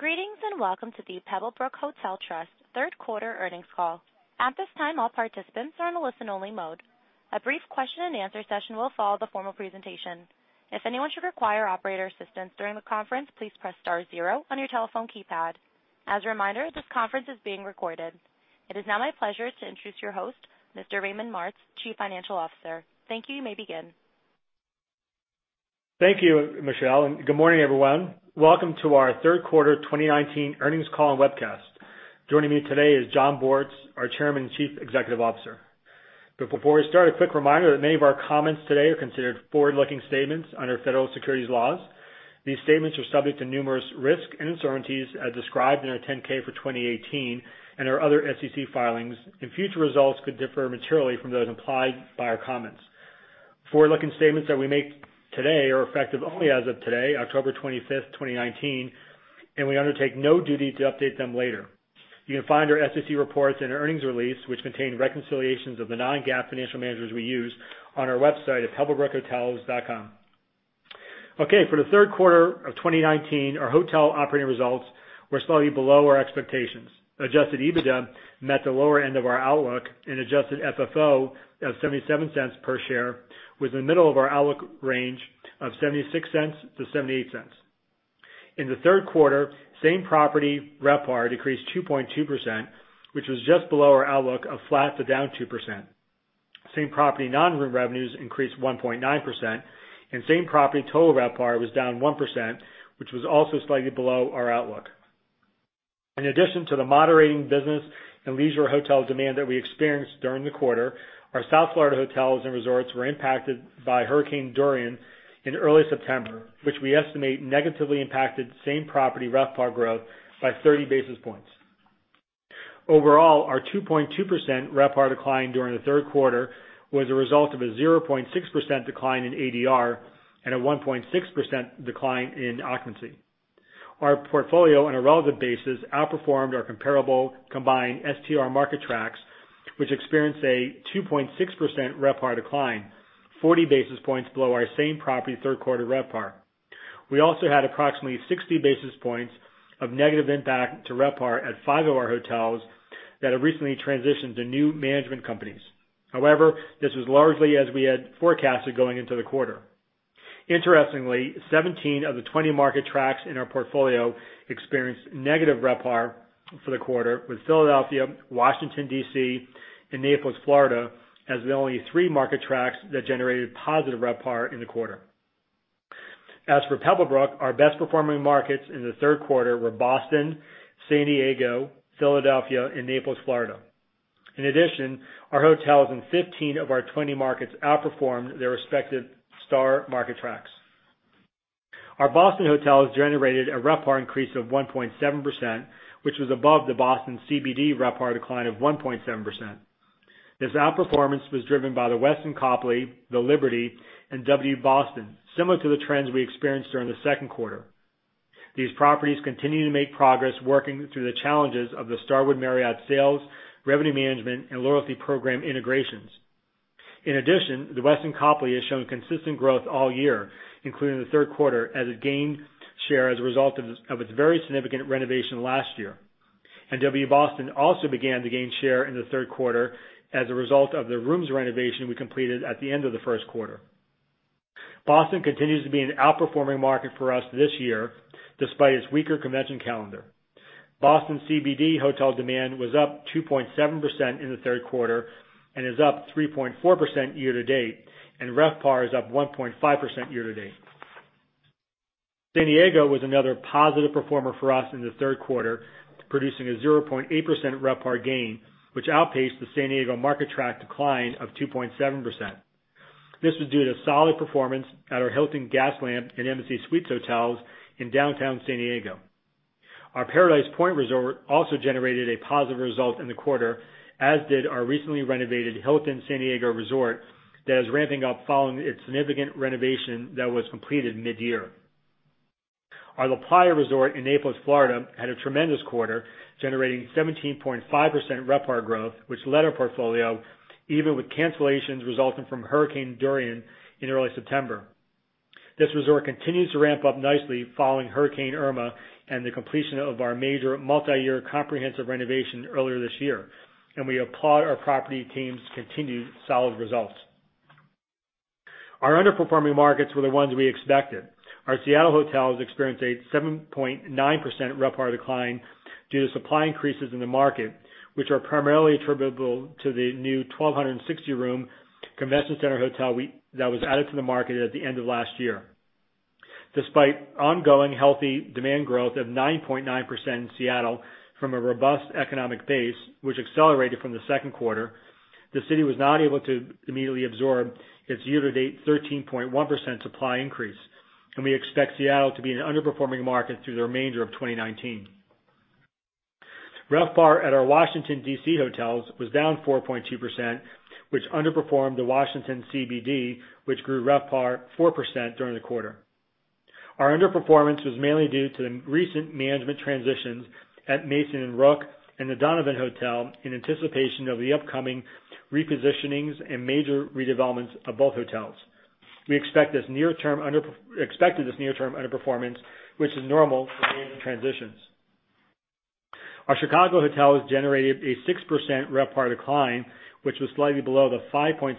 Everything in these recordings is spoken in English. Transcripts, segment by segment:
Greetings, and welcome to the Pebblebrook Hotel Trust third quarter earnings call. At this time, all participants are on a listen-only mode. A brief question and answer session will follow the formal presentation. If anyone should require operator assistance during the conference, please press star zero on your telephone keypad. As a reminder, this conference is being recorded. It is now my pleasure to introduce your host, Mr. Raymond Martz, Chief Financial Officer. Thank you. You may begin. Thank you, Michelle. Good morning, everyone. Welcome to our third quarter 2019 earnings call and webcast. Joining me today is Jon Bortz, our Chairman and Chief Executive Officer. Before we start, a quick reminder that many of our comments today are considered forward-looking statements under federal securities laws. These statements are subject to numerous risks and uncertainties as described in our 10-K for 2018 and our other SEC filings, and future results could differ materially from those implied by our comments. Forward-looking statements that we make today are effective only as of today, October 25th, 2019, and we undertake no duty to update them later. You can find our SEC reports and earnings release, which contain reconciliations of the non-GAAP financial measures we use on our website at pebblebrookhotels.com. Okay, for the third quarter of 2019, our hotel operating results were slightly below our expectations. Adjusted EBITDA met the lower end of our outlook, and adjusted FFO of $0.77 per share was in the middle of our outlook range of $0.76-$0.78. In the third quarter, same property RevPAR decreased 2.2%, which was just below our outlook of flat to down 2%. Same-property non-room revenues increased 1.9%, and same-property total RevPAR was down 1%, which was also slightly below our outlook. In addition to the moderating business and leisure hotel demand that we experienced during the quarter, our South Florida hotels and resorts were impacted by Hurricane Dorian in early September, which we estimate negatively impacted same-property RevPAR growth by 30 basis points. Overall, our 2.2% RevPAR decline during the third quarter was a result of a 0.6% decline in ADR and a 1.6% decline in occupancy. Our portfolio, on a relevant basis, outperformed our comparable combined STR market tracts, which experienced a 2.6% RevPAR decline, 40 basis points below our same-property third quarter RevPAR. We also had approximately 60 basis points of negative impact to RevPAR at five of our hotels that have recently transitioned to new management companies. However, this was largely as we had forecasted going into the quarter. Interestingly, 17 of the 20 market tracks in our portfolio experienced negative RevPAR for the quarter, with Philadelphia, Washington, D.C., and Naples, Florida, as the only three market tracks that generated positive RevPAR in the quarter. As for Pebblebrook, our best-performing markets in the third quarter were Boston, San Diego, Philadelphia, and Naples, Florida. In addition, our hotels in 15 of our 20 markets outperformed their respective STR market tracts. Our Boston hotels generated a RevPAR increase of 1.7%, which was above the Boston CBD RevPAR decline of 1.7%. This outperformance was driven by The Westin Copley, The Liberty, and W Boston, similar to the trends we experienced during the second quarter. These properties continue to make progress working through the challenges of the Starwood Marriott sales, revenue management, and loyalty program integrations. In addition, The Westin Copley has shown consistent growth all year, including the third quarter, as it gained share as a result of its very significant renovation last year. W Boston also began to gain share in the third quarter as a result of the rooms' renovation we completed at the end of the first quarter. Boston continues to be an outperforming market for us this year, despite its weaker convention calendar. Boston CBD hotel demand was up 2.7% in the third quarter and is up 3.4% year to date, and RevPAR is up 1.5% year to date. San Diego was another positive performer for us in the third quarter, producing a 0.8% RevPAR gain, which outpaced the San Diego market tract's decline of 2.7%. This was due to solid performance at our Hilton Gaslamp and Embassy Suites hotels in downtown San Diego. Our Paradise Point Resort also generated a positive result in the quarter, as did our recently renovated Hilton San Diego Resort that is ramping up following its significant renovation that was completed mid-year. Our LaPlaya Resort in Naples, Florida, had a tremendous quarter, generating 17.5% RevPAR growth, which led our portfolio, even with cancellations resulting from Hurricane Dorian in early September. This resort continues to ramp up nicely following Hurricane Irma and the completion of our major multi-year comprehensive renovation earlier this year, and we applaud our property team's continued solid results. Our underperforming markets were the ones we expected. Our Seattle hotels experienced a 7.9% RevPAR decline due to supply increases in the market, which are primarily attributable to the new 1,260-room convention center hotel that was added to the market at the end of last year. Despite ongoing healthy demand growth of 9.9% in Seattle from a robust economic base, which accelerated from the second quarter, the city was not able to immediately absorb its year-to-date 13.1% supply increase, and we expect Seattle to be an underperforming market through the remainder of 2019. RevPAR at our Washington, D.C., hotels was down 4.2%, which underperformed the Washington CBD, which grew RevPAR 4% during the quarter. Our underperformance was mainly due to the recent management transitions at Mason and Rook and The Donovan Hotel in anticipation of the upcoming repositionings and major redevelopments of both hotels. We expect this near-term underperformance, which is normal for management transitions. Our Chicago hotel has generated a 6% RevPAR decline, which was slightly below the 5.6%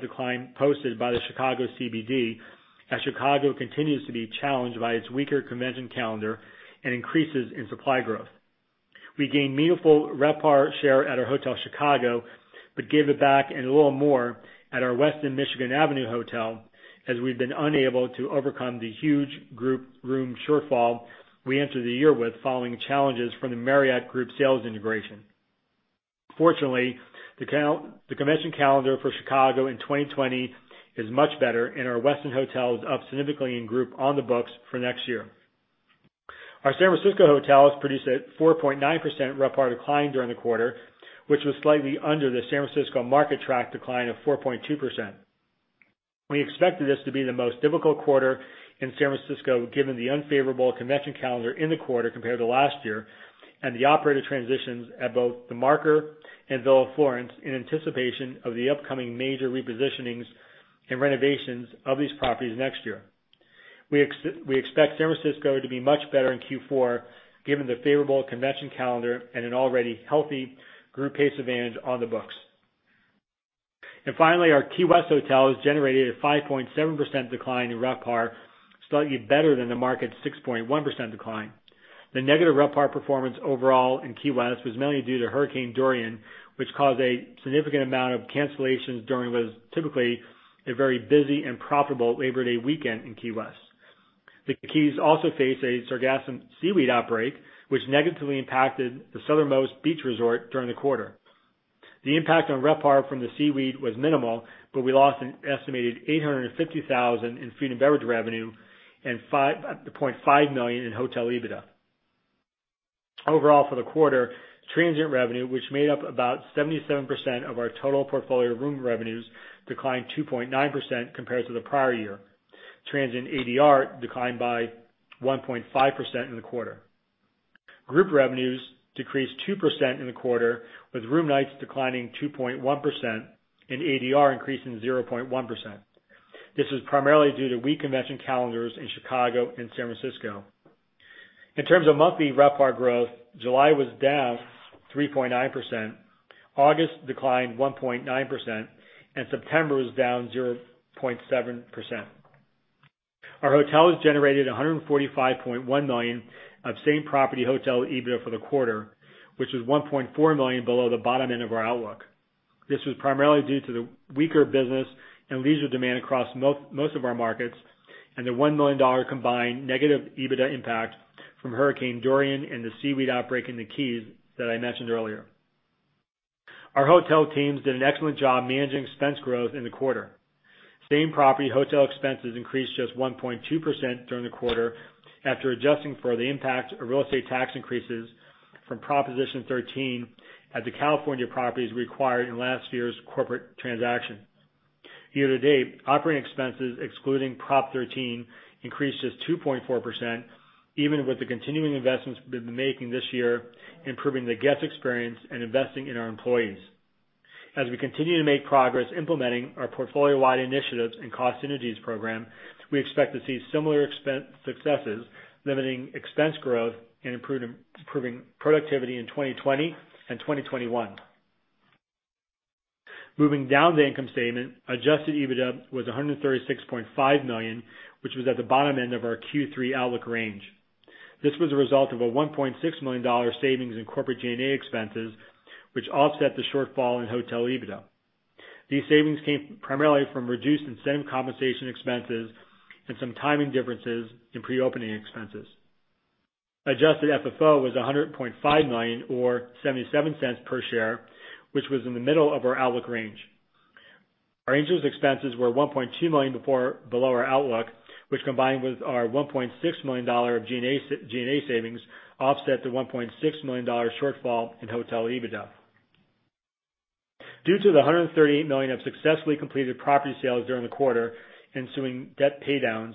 decline posted by the Chicago CBD, as Chicago continues to be challenged by its weaker convention calendar and increases in supply growth. We gained meaningful RevPAR share at our Hotel Chicago but gave it back and a little more at our Westin Michigan Avenue hotel, as we've been unable to overcome the huge group room shortfall we entered the year with following challenges from the Marriott group sales integration. Fortunately, the convention calendar for Chicago in 2020 is much better, and our Westin hotel is up significantly in group on the books for next year. Our San Francisco hotels produced a 4.9% RevPAR decline during the quarter, which was slightly under the San Francisco market tract decline of 4.2%. We expected this to be the most difficult quarter in San Francisco, given the unfavorable convention calendar in the quarter compared to last year and the operator transitions at both The Marker and Villa Florence in anticipation of the upcoming major repositionings and renovations of these properties next year. We expect San Francisco to be much better in Q4, given the favorable convention calendar and an already healthy group pace advantage on the books. Finally, our Key West hotel has generated a 5.7% decline in RevPAR, slightly better than the market's 6.1% decline. The negative RevPAR performance overall in Key West was mainly due to Hurricane Dorian, which caused a significant amount of cancellations during what is typically a very busy and profitable Labor Day weekend in Key West. The Keys also faced a sargassum seaweed outbreak, which negatively impacted the Southernmost Beach Resort during the quarter. The impact on RevPAR from the seaweed was minimal, but we lost an estimated $850,000 in food and beverage revenue and $5.5 million in hotel EBITDA. Overall, for the quarter, transient revenue, which made up about 77% of our total portfolio room revenues, declined 2.9% compared to the prior year. Transient ADR declined by 1.5% in the quarter. Group revenues decreased 2% in the quarter, with room nights declining 2.1% and ADR increasing 0.1%. This was primarily due to weak convention calendars in Chicago and San Francisco. In terms of monthly RevPAR growth, July was down 3.9%, August declined 1.9%, and September was down 0.7%. Our hotel has generated $145.1 million of same-property hotel EBITDA for the quarter, which is $1.4 million below the bottom end of our outlook. This was primarily due to the weaker business and leisure demand across most of our markets and the $1 million combined negative EBITDA impact from Hurricane Dorian and the seaweed outbreak in the Keys that I mentioned earlier. Our hotel teams did an excellent job managing expense growth in the quarter. Same-property hotel expenses increased just 1.2% during the quarter after adjusting for the impact of real estate tax increases from Proposition 13 at the California properties required in last year's corporate transaction. Year to date, operating expenses excluding Prop 13 increased just 2.4%, even with the continuing investments we've been making this year, improving the guest experience and investing in our employees. We continue to make progress implementing our portfolio-wide initiatives and cost synergies program; we expect to see similar expense successes, limiting expense growth and improving productivity in 2020 and 2021. Moving down the income statement, adjusted EBITDA was $136.5 million, which was at the bottom end of our Q3 outlook range. This was a result of a $1.6 million savings in corporate G&A expenses, which offset the shortfall in hotel EBITDA. These savings came primarily from reduced incentive compensation expenses and some timing differences in pre-opening expenses. Adjusted FFO was $100.5 million, or $0.77 per share, which was in the middle of our outlook range. Our interest expenses were $1.2 million below our outlook, which, combined with our $1.6 million of G&A savings, offset the $1.6 million shortfall in hotel EBITDA. Due to the $138 million of successfully completed property sales during the quarter ensuing debt paydowns,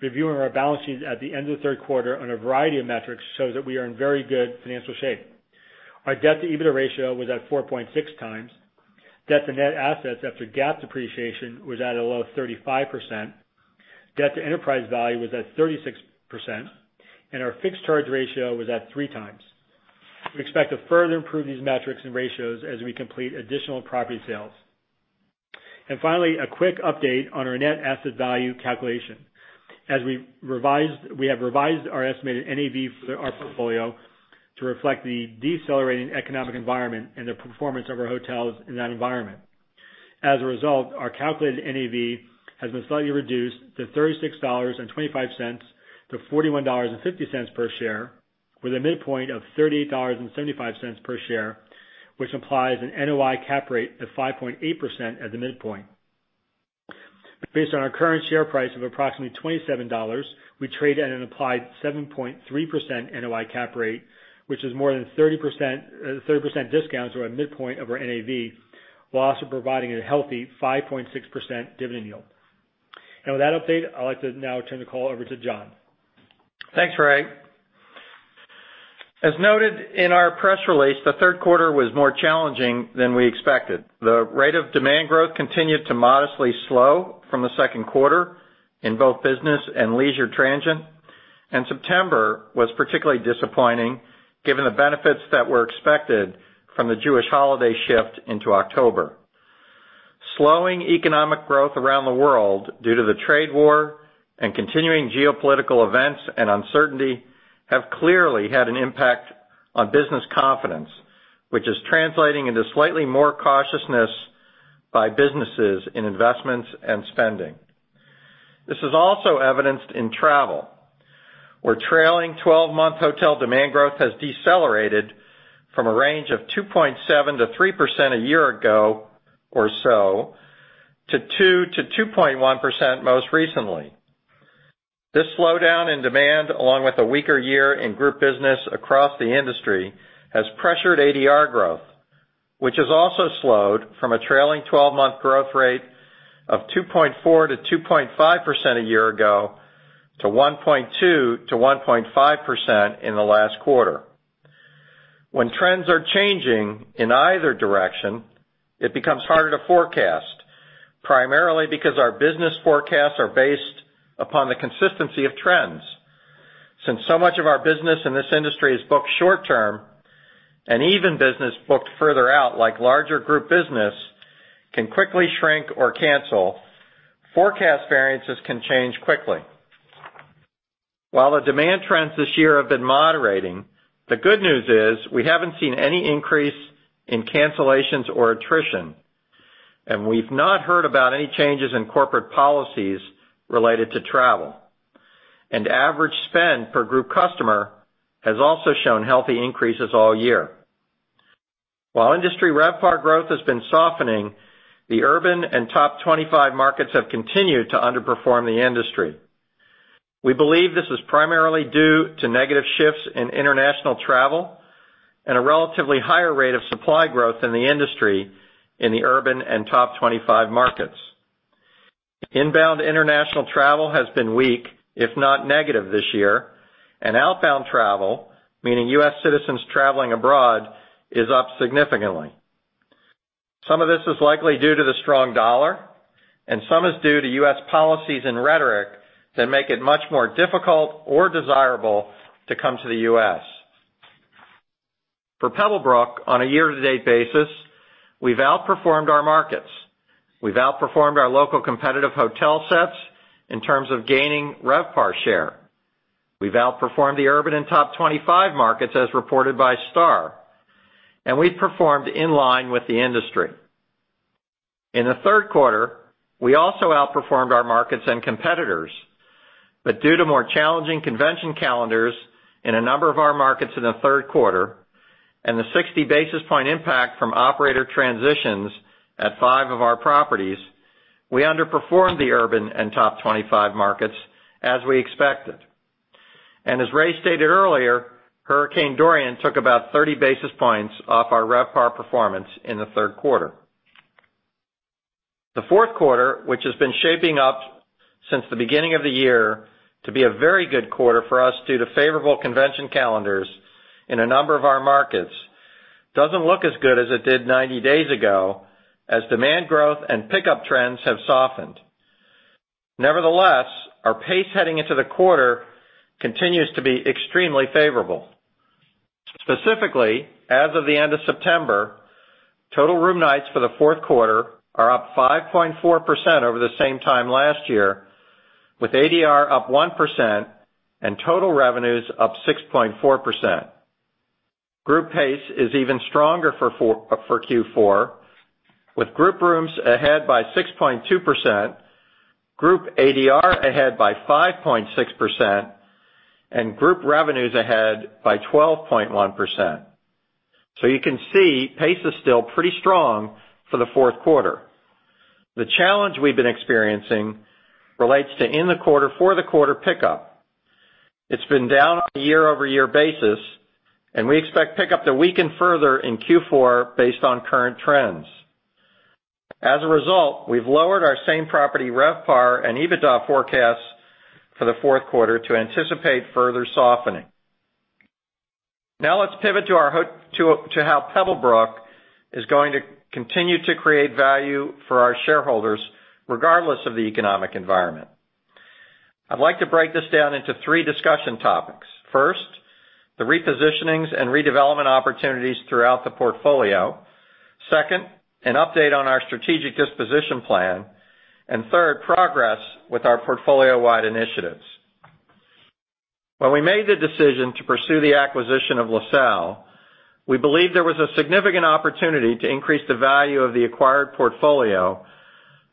reviewing our balance sheets at the end of the third quarter on a variety of metrics shows that we are in very good financial shape. Our debt-to-EBITDA ratio was at 4.6 times. Debt to net assets after GAAP depreciation was at a low of 35%. Debt to enterprise value was at 36%; our fixed charge ratio was at three times. We expect to further improve these metrics and ratios as we complete additional property sales. Finally, a quick update on our net asset value calculation. We have revised our estimated NAV for our portfolio to reflect the decelerating economic environment and the performance of our hotels in that environment. As a result, our calculated NAV has been slightly reduced to $36.25-$41.50 per share, with a midpoint of $38.75 per share, which implies an NOI cap rate of 5.8% at the midpoint. Based on our current share price of approximately $27, we trade at an implied 7.3% NOI cap rate, which is more than 30% discount to our midpoint of our NAV, while also providing a healthy 5.6% dividend yield. With that update, I'd like to now turn the call over to Jon. Thanks, Ray. As noted in our press release, the third quarter was more challenging than we expected. The rate of demand growth continued to modestly slow from the second quarter in both business and leisure transient, and September was particularly disappointing given the benefits that were expected from the Jewish holiday shift into October. Slowing economic growth around the world due to the trade war and continuing geopolitical events and uncertainty have clearly had an impact on business confidence, which is translating into slightly more cautiousness by businesses in investments and spending. This is also evidenced in travel, where trailing 12-month hotel demand growth has decelerated from a range of 2.7%-3% a year ago or so to 2%-2.1% most recently. This slowdown in demand, along with a weaker year in group business across the industry, has pressured ADR growth, which has also slowed from a trailing 12-month growth rate of 2.4%-2.5% a year ago to 1.2%-1.5% in the last quarter. When trends are changing in either direction, it becomes harder to forecast, primarily because our business forecasts are based upon the consistency of trends. Since so much of our business in this industry is booked short-term and even business booked further out, like larger group business, can quickly shrink or cancel, forecast variances can change quickly. While the demand trends this year have been moderating, the good news is we haven't seen any increase in cancellations or attrition, and we've not heard about any changes in corporate policies related to travel. Average spend per group customer has also shown healthy increases all year. While industry RevPAR growth has been softening, the urban and top 25 markets have continued to underperform the industry. We believe this is primarily due to negative shifts in international travel and a relatively higher rate of supply growth in the industry in the urban and top 25 markets. Inbound international travel has been weak, if not negative this year, and outbound travel, meaning U.S. citizens traveling abroad, is up significantly. Some of this is likely due to the strong dollar, and some is due to U.S. policies and rhetoric that make it much more difficult or desirable to come to the U.S. For Pebblebrook, on a year-to-date basis, we've outperformed our markets. We've outperformed our local competitive hotel sets in terms of gaining RevPAR share. We've outperformed the urban and top 25 markets as reported by STR, and we've performed in line with the industry. In the third quarter, we also outperformed our markets and competitors. Due to more challenging convention calendars in a number of our markets in the third quarter and the 60 basis points impact from operator transitions at five of our properties, we underperformed the urban and top 25 markets as we expected. As Ray stated earlier, Hurricane Dorian took about 30 basis points off our RevPAR performance in the third quarter. The fourth quarter, which has been shaping up since the beginning of the year to be a very good quarter for us due to favorable convention calendars in a number of our markets, doesn't look as good as it did 90 days ago as demand growth and pickup trends have softened. Nevertheless, our pace heading into the quarter continues to be extremely favorable. Specifically, as of the end of September, total room nights for the fourth quarter are up 5.4% over the same time last year, with ADR up 1% and total revenues up 6.4%. Group pace is even stronger for Q4, with group rooms ahead by 6.2%, group ADR ahead by 5.6%, and group revenues ahead by 12.1%. You can see pace is still pretty strong for the fourth quarter. The challenge we've been experiencing relates to in the quarter for the quarter pickup. It's been down on a year-over-year basis, and we expect pickup to weaken further in Q4 based on current trends. As a result, we've lowered our same-property RevPAR and EBITDA forecasts for the fourth quarter to anticipate further softening. Let's pivot to how Pebblebrook is going to continue to create value for our shareholders regardless of the economic environment. I'd like to break this down into 3 discussion topics. First, the repositionings and redevelopment opportunities throughout the portfolio. Second, an update on our strategic disposition plan. Third, progress with our portfolio-wide initiatives. When we made the decision to pursue the acquisition of LaSalle, we believed there was a significant opportunity to increase the value of the acquired portfolio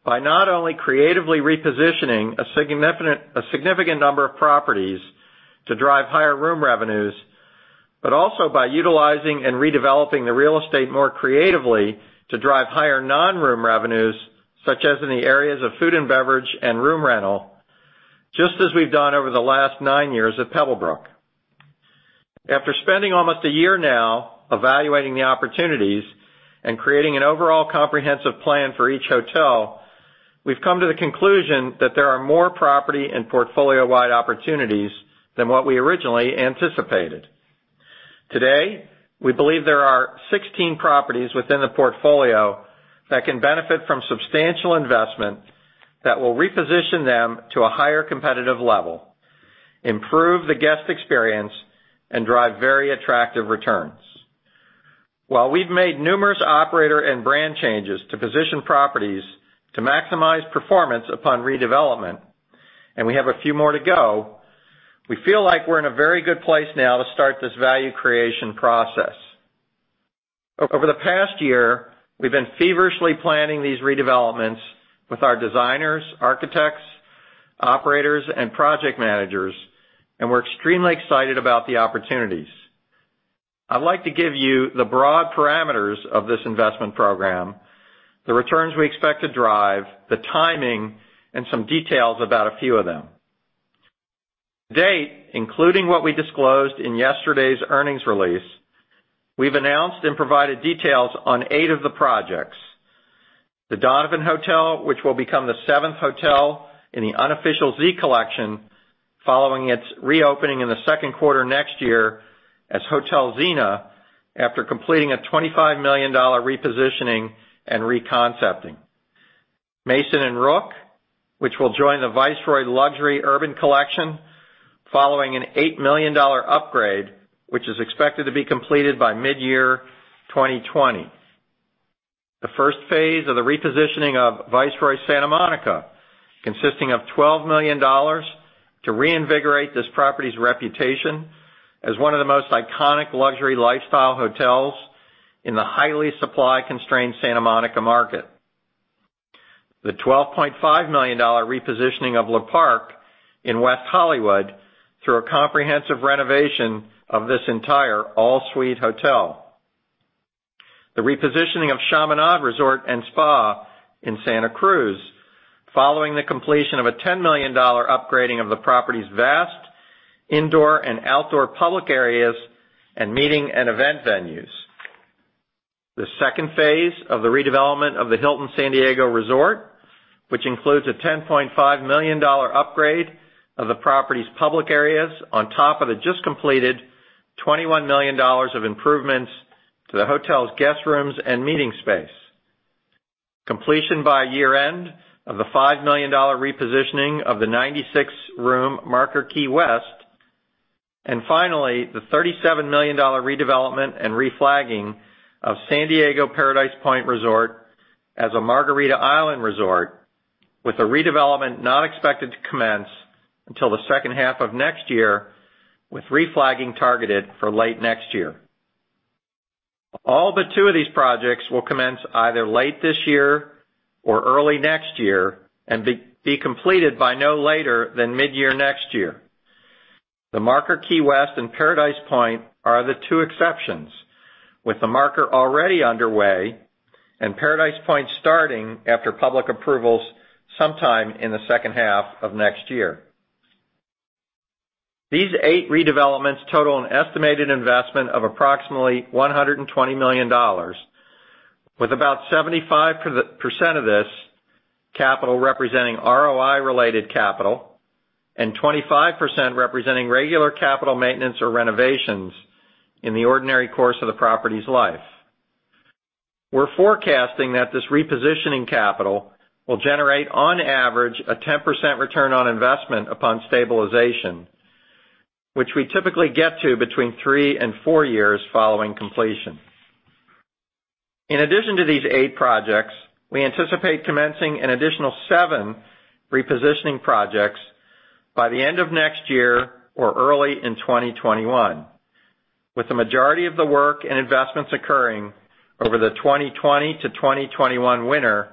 by not only creatively repositioning a significant number of properties to drive higher room revenues but also by utilizing and redeveloping the real estate more creatively to drive higher non-room revenues, such as in the areas of food and beverage and room rental, just as we've done over the last 9 years at Pebblebrook. After spending almost a year now evaluating the opportunities and creating an overall comprehensive plan for each hotel. We've come to the conclusion that there are more property and portfolio-wide opportunities than what we originally anticipated. Today, we believe there are 16 properties within the portfolio that can benefit from substantial investment that will reposition them to a higher competitive level, improve the guest experience, and drive very attractive returns. While we've made numerous operator and brand changes to position properties to maximize performance upon redevelopment, and we have a few more to go, we feel like we're in a very good place now to start this value creation process. Over the past year, we've been feverishly planning these redevelopments with our designers, architects, operators, and project managers, and we're extremely excited about the opportunities. I'd like to give you the broad parameters of this investment program, the returns we expect to drive, the timing, and some details about a few of them. To date, including what we disclosed in yesterday's earnings release, we've announced and provided details on eight of the projects. The Donovan Hotel, which will become the seventh hotel in the Unofficial Z Collection following its reopening in the second quarter next year as Hotel Zena after completing a $25 million repositioning and reconcepting. Mason & Rook, which will join the Viceroy Urban Retreats following an $8 million upgrade, which is expected to be completed by mid-year 2020. The first phase of the repositioning of Viceroy Santa Monica, consisting of $12 million to reinvigorate this property's reputation as one of the most iconic luxury lifestyle hotels in the highly supply-constrained Santa Monica market. The $12.5 million repositioning of Le Parc in West Hollywood through a comprehensive renovation of this entire all-suite hotel. The repositioning of Chaminade Resort & Spa in Santa Cruz following the completion of a $10 million upgrading of the property's vast indoor and outdoor public areas and meeting and event venues. The second phase of the redevelopment of the Hilton San Diego Resort, which includes a $10.5 million upgrade of the property's public areas on top of the just completed $21 million of improvements to the hotel's guest rooms and meeting space. Completion by year-end of the $5 million repositioning of the 96-room Marker Key West. Finally, the $37 million redevelopment and reflagging of San Diego Paradise Point Resort as a Margaritaville Island Resort with the redevelopment not expected to commence until the second half of next year, with reflagging targeted for late next year. All but two of these projects will commence either late this year or early next year and be completed by no later than mid-year next year. The Marker Key West and Paradise Point are the two exceptions, with The Marker already underway and Paradise Point starting after public approvals sometime in the second half of next year. These eight redevelopments total an estimated investment of approximately $120 million, with about 75% of this capital representing ROI-related capital and 25% representing regular capital maintenance or renovations in the ordinary course of the property's life. We're forecasting that this repositioning capital will generate, on average, a 10% return on investment upon stabilization, which we typically get to between three and four years following completion. In addition to these eight projects, we anticipate commencing an additional seven repositioning projects by the end of next year or early in 2021, with the majority of the work and investments occurring over the 2020 to 2021 winter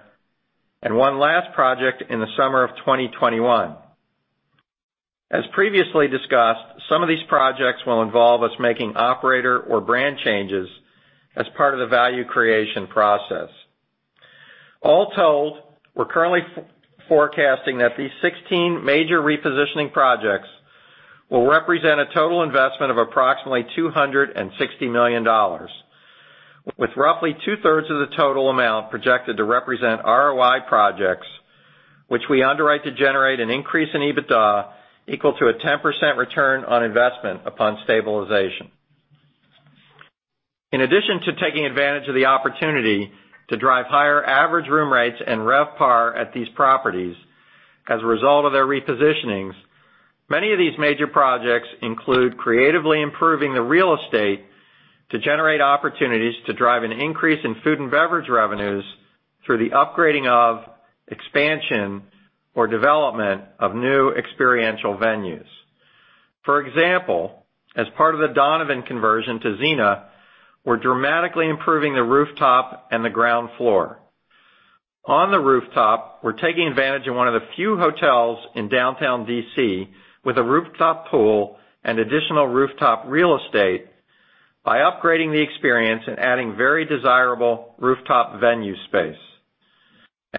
and one last project in the summer of 2021. As previously discussed, some of these projects will involve us making operator or brand changes as part of the value creation process. All told, we're currently forecasting that these 16 major repositioning projects will represent a total investment of approximately $260 million, with roughly two-thirds of the total amount projected to represent ROI projects, which we underwrite to generate an increase in EBITDA equal to a 10% return on investment upon stabilization. In addition to taking advantage of the opportunity to drive higher average room rates and RevPAR at these properties as a result of their repositionings, many of these major projects include creatively improving the real estate to generate opportunities to drive an increase in food and beverage revenues through the upgrading of expansion or development of new experiential venues. For example, as part of the Donovan conversion to Zena, we're dramatically improving the rooftop and the ground floor. On the rooftop, we're taking advantage of one of the few hotels in downtown D.C. with a rooftop pool and additional rooftop real estate by upgrading the experience and adding very desirable rooftop venue space.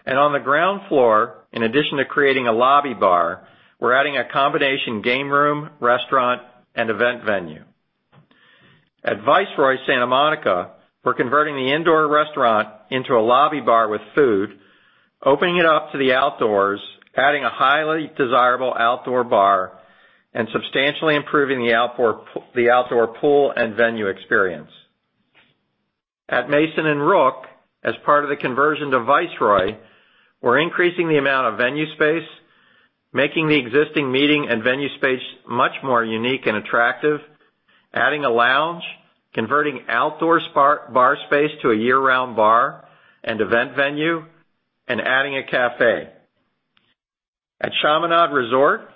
On the ground floor, in addition to creating a lobby bar, we're adding a combination game room, restaurant, and event venue. At Viceroy Santa Monica, we're converting the indoor restaurant into a lobby bar with food, opening it up to the outdoors, adding a highly desirable outdoor bar, and substantially improving the outdoor pool and venue experience. At Mason & Rook, as part of the conversion to Viceroy, we're increasing the amount of venue space, making the existing meeting and venue space much more unique and attractive, adding a lounge, converting outdoor bar space to a year-round bar and event venue, and adding a café. At Chaminade Resort,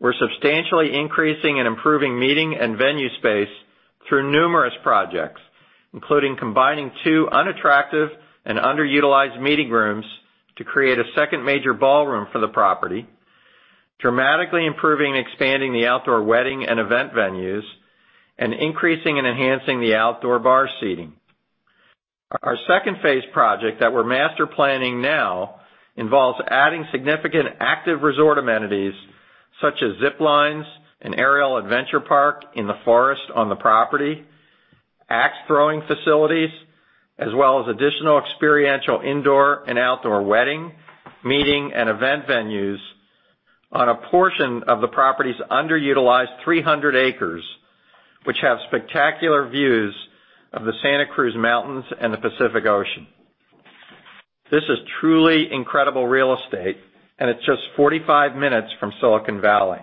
we're substantially increasing and improving meeting and venue space through numerous projects, including combining two unattractive and underutilized meeting rooms to create a second major ballroom for the property, dramatically improving and expanding the outdoor wedding and event venues, and increasing and enhancing the outdoor bar seating. Our second-phase project that we're master planning now involves adding significant active resort amenities such as zip lines, an aerial adventure park in the forest on the property, ax-throwing facilities, as well as additional experiential indoor and outdoor wedding, meeting, and event venues on a portion of the property's underutilized 300 acres, which have spectacular views of the Santa Cruz Mountains and the Pacific Ocean. This is truly incredible real estate, and it's just 45 minutes from Silicon Valley.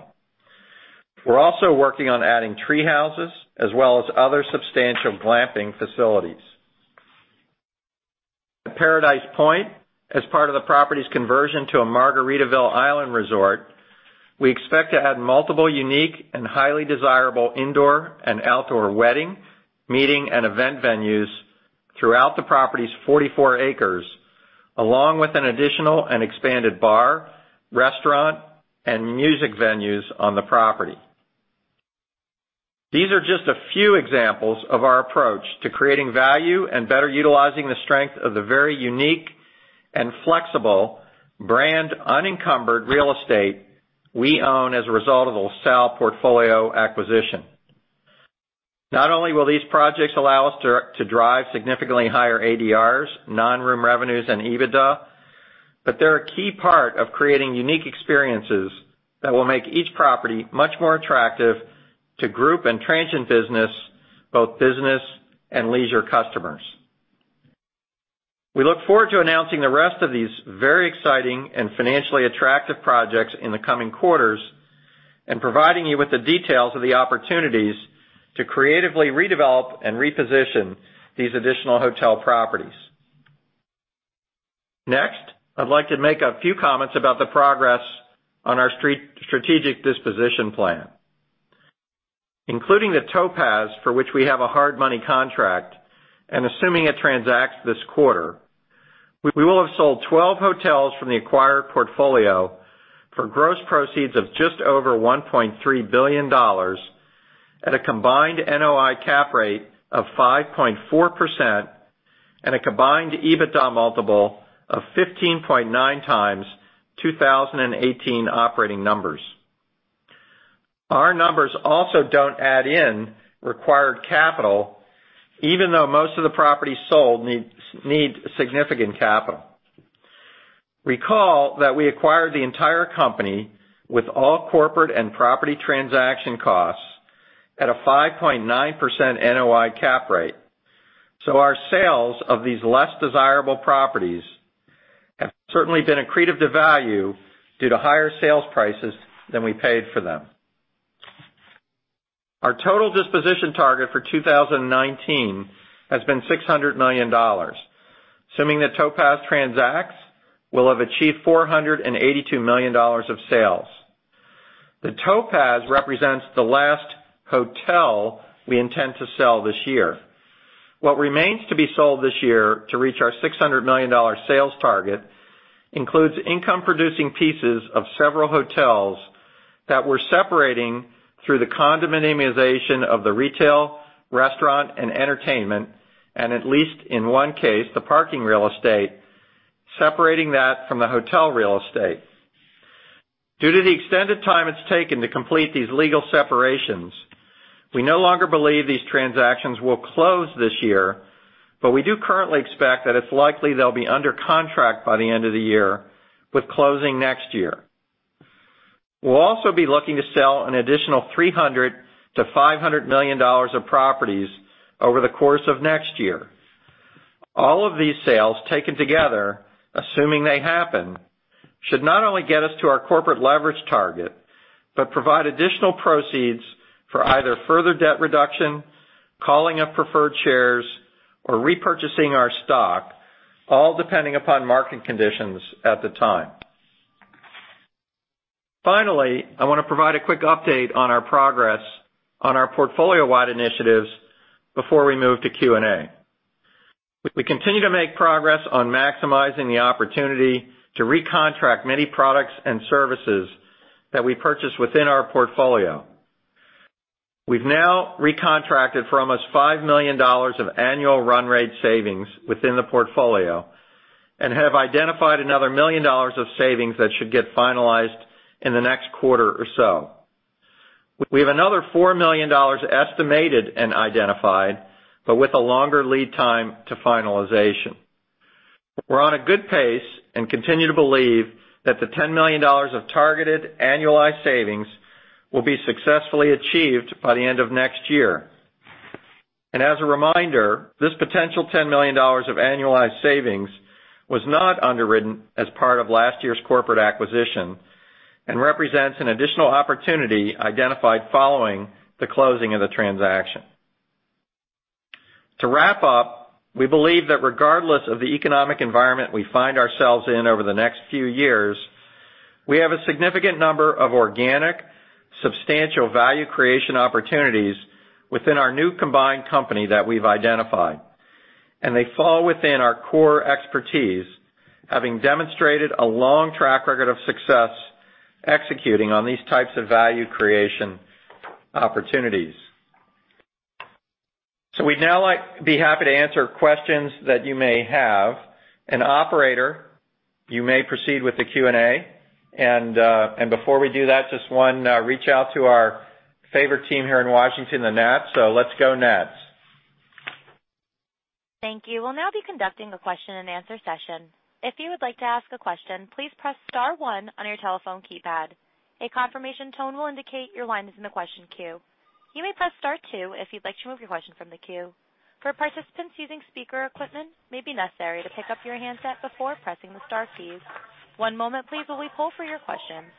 We're also working on adding tree houses, as well as other substantial glamping facilities. At Paradise Point, as part of the property's conversion to a Margaritaville Island Resort, we expect to add multiple unique and highly desirable indoor and outdoor wedding, meeting, and event venues throughout the property's 44 acres, along with an additional and expanded bar, restaurant, and music venues on the property. These are just a few examples of our approach to creating value and better utilizing the strength of the very unique and flexible brand unencumbered real estate we own as a result of LaSalle portfolio acquisition. Not only will these projects allow us to drive significantly higher ADRs, non-room revenues, and EBITDA, but they're a key part of creating unique experiences that will make each property much more attractive to group and transient business, both business and leisure customers. We look forward to announcing the rest of these very exciting and financially attractive projects in the coming quarters and providing you with the details of the opportunities to creatively redevelop and reposition these additional hotel properties. Next, I'd like to make a few comments about the progress on our strategic disposition plan. Including the Topaz, for which we have a hard money contract, and assuming it transacts this quarter, we will have sold 12 hotels from the acquired portfolio for gross proceeds of just over $1.3 billion at a combined NOI cap rate of 5.4% and a combined EBITDA multiple of 15.9x 2018 operating numbers. Our numbers also don't add in required capital, even though most of the properties sold need significant capital. Recall that we acquired the entire company with all corporate and property transaction costs at a 5.9% NOI cap rate. Our sales of these less desirable properties have certainly been accretive to value due to higher sales prices than we paid for them. Our total disposition target for 2019 has been $600 million. Assuming that Topaz transacts, we'll have achieved $482 million of sales. The Topaz represents the last hotel we intend to sell this year. What remains to be sold this year to reach our $600 million sales target includes income-producing pieces of several hotels that we're separating through the condominiumization of the retail, restaurant, and entertainment; and at least in one case, the parking real estate, separating that from the hotel real estate. Due to the extended time it's taken to complete these legal separations, we no longer believe these transactions will close this year, but we do currently expect that it's likely they'll be under contract by the end of the year with closing next year. We'll also be looking to sell an additional $300 million-$500 million of properties over the course of next year. All of these sales taken together, assuming they happen, should not only get us to our corporate leverage target, but provide additional proceeds for either further debt reduction, calling of preferred shares, or repurchasing our stock, all depending upon market conditions at the time. I want to provide a quick update on our progress on our portfolio-wide initiatives before we move to Q&A. We continue to make progress on maximizing the opportunity to recontract many products and services that we purchase within our portfolio. We've now recontracted for almost $5 million of annual run rate savings within the portfolio. We have identified another $1 million of savings that should get finalized in the next quarter or so. We have another $4 million estimated and identified, with a longer lead time to finalization. We're on a good pace and continue to believe that the $10 million of targeted annualized savings will be successfully achieved by the end of next year. As a reminder, this potential $10 million of annualized savings was not underwritten as part of last year's corporate acquisition and represents an additional opportunity identified following the closing of the transaction. To wrap up, we believe that regardless of the economic environment we find ourselves in over the next few years, we have a significant number of organic, substantial value creation opportunities within our new combined company that we've identified. They fall within our core expertise, having demonstrated a long track record of success executing on these types of value creation opportunities. We'd now be happy to answer questions that you may have. Operator, you may proceed with the Q&A. Before we do that, just one reach-out to our favorite team here in Washington, the Nats. Let's go, Nats. Thank you. We'll now be conducting a question and answer session. If you would like to ask a question, please press star one on your telephone keypad. A confirmation tone will indicate your line is in the question queue. You may press star two if you'd like to remove your question from the queue. For participants using speaker equipment, it may be necessary to pick up your handset before pressing the star keys. One moment, please, while we pull for your questions.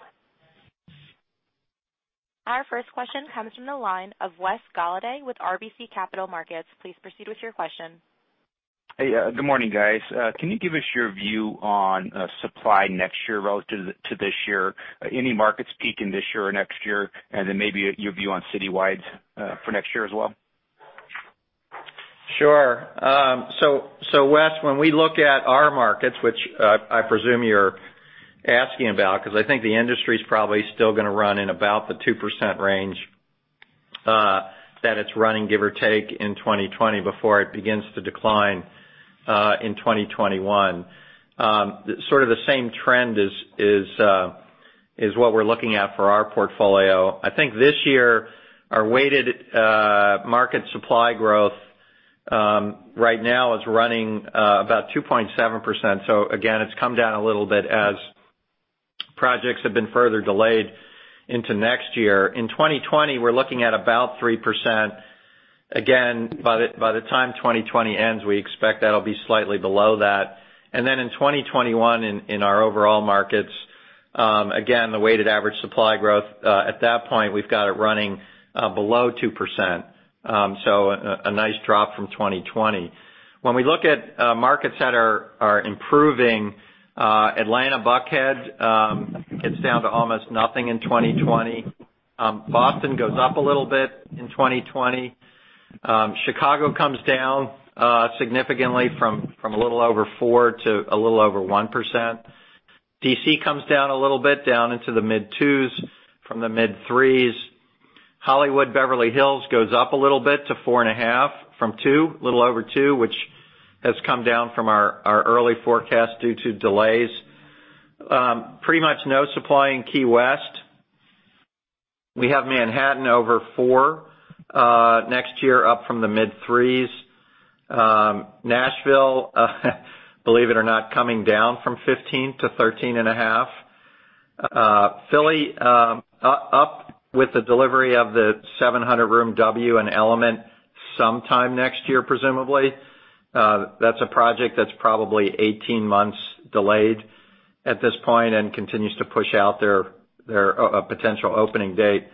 Our first question comes from the line of Wes Golladay with RBC Capital Markets. Please proceed with your question. Hey, good morning, guys. Can you give us your view on supply next year relative to this year? Any markets peaking this year or next year? maybe your view on city-wides for next year as well? Sure. Wes, when we look at our markets, which I presume you're asking about, because I think the industry's probably still going to run in about the 2% range that it's running, give or take, in 2020 before it begins to decline in 2021. Sort of the same trend is what we're looking at for our portfolio. I think this year, our weighted market supply growth right now is running about 2.7%. Again, it's come down a little bit as projects have been further delayed into next year. In 2020, we're looking at about 3%. By the time 2020 ends, we expect that'll be slightly below that. Then in 2021, in our overall markets, again, the weighted average supply growth at that point, we've got it running below 2%. A nice drop from 2020. When we look at markets that are improving, Atlanta, Buckhead gets down to almost nothing in 2020. Boston goes up a little bit in 2020. Chicago comes down significantly from a little over 4% to a little over 1%. D.C. comes down a little bit, down into the mid-2s from the mid-3s. Hollywood, Beverly Hills goes up a little bit to 4.5% from 2%, a little over 2%, which has come down from our early forecast due to delays. Pretty much no supply in Key West. We have Manhattan over 4% next year, up from the mid-3s. Nashville, believe it or not, coming down from 15% to 13.5%. Philly, up with the delivery of the 700-room W and Element sometime next year, presumably. That's a project that's probably 18 months delayed at this point and continues to push out their potential opening date.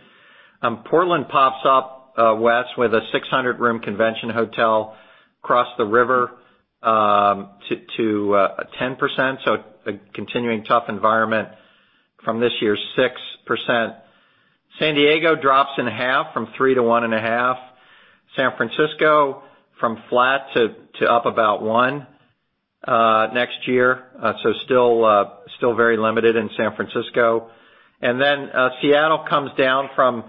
Portland pops up, Wes, with a 600-room convention hotel across the river, to 10%. A continuing tough environment from this year's 6%. San Diego drops in half from three to one and a half. San Francisco from flat to up about one next year. Still very limited in San Francisco. Seattle comes down from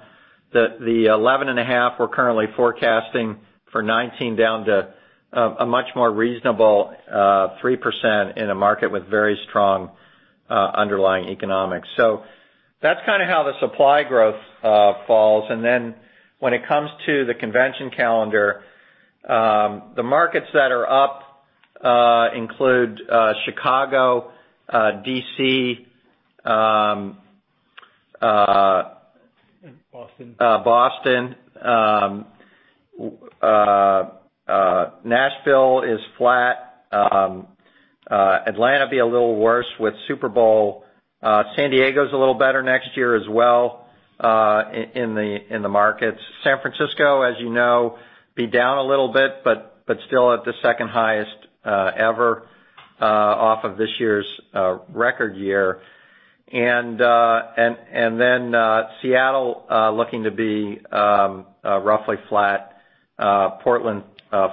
the 11.5 we're currently forecasting for 2019 down to a much more reasonable 3% in a market with very strong underlying economics. That's kind of how the supply growth falls. When it comes to the convention calendar, the markets that are up include Chicago, D.C.- Boston Boston. Nashville is flat. Atlanta will be a little worse with Super Bowl. San Diego's a little better next year as well in the markets. San Francisco, as you know, be down a little bit but still at the second highest ever off of this year's record year. Seattle looking to be roughly flat. Portland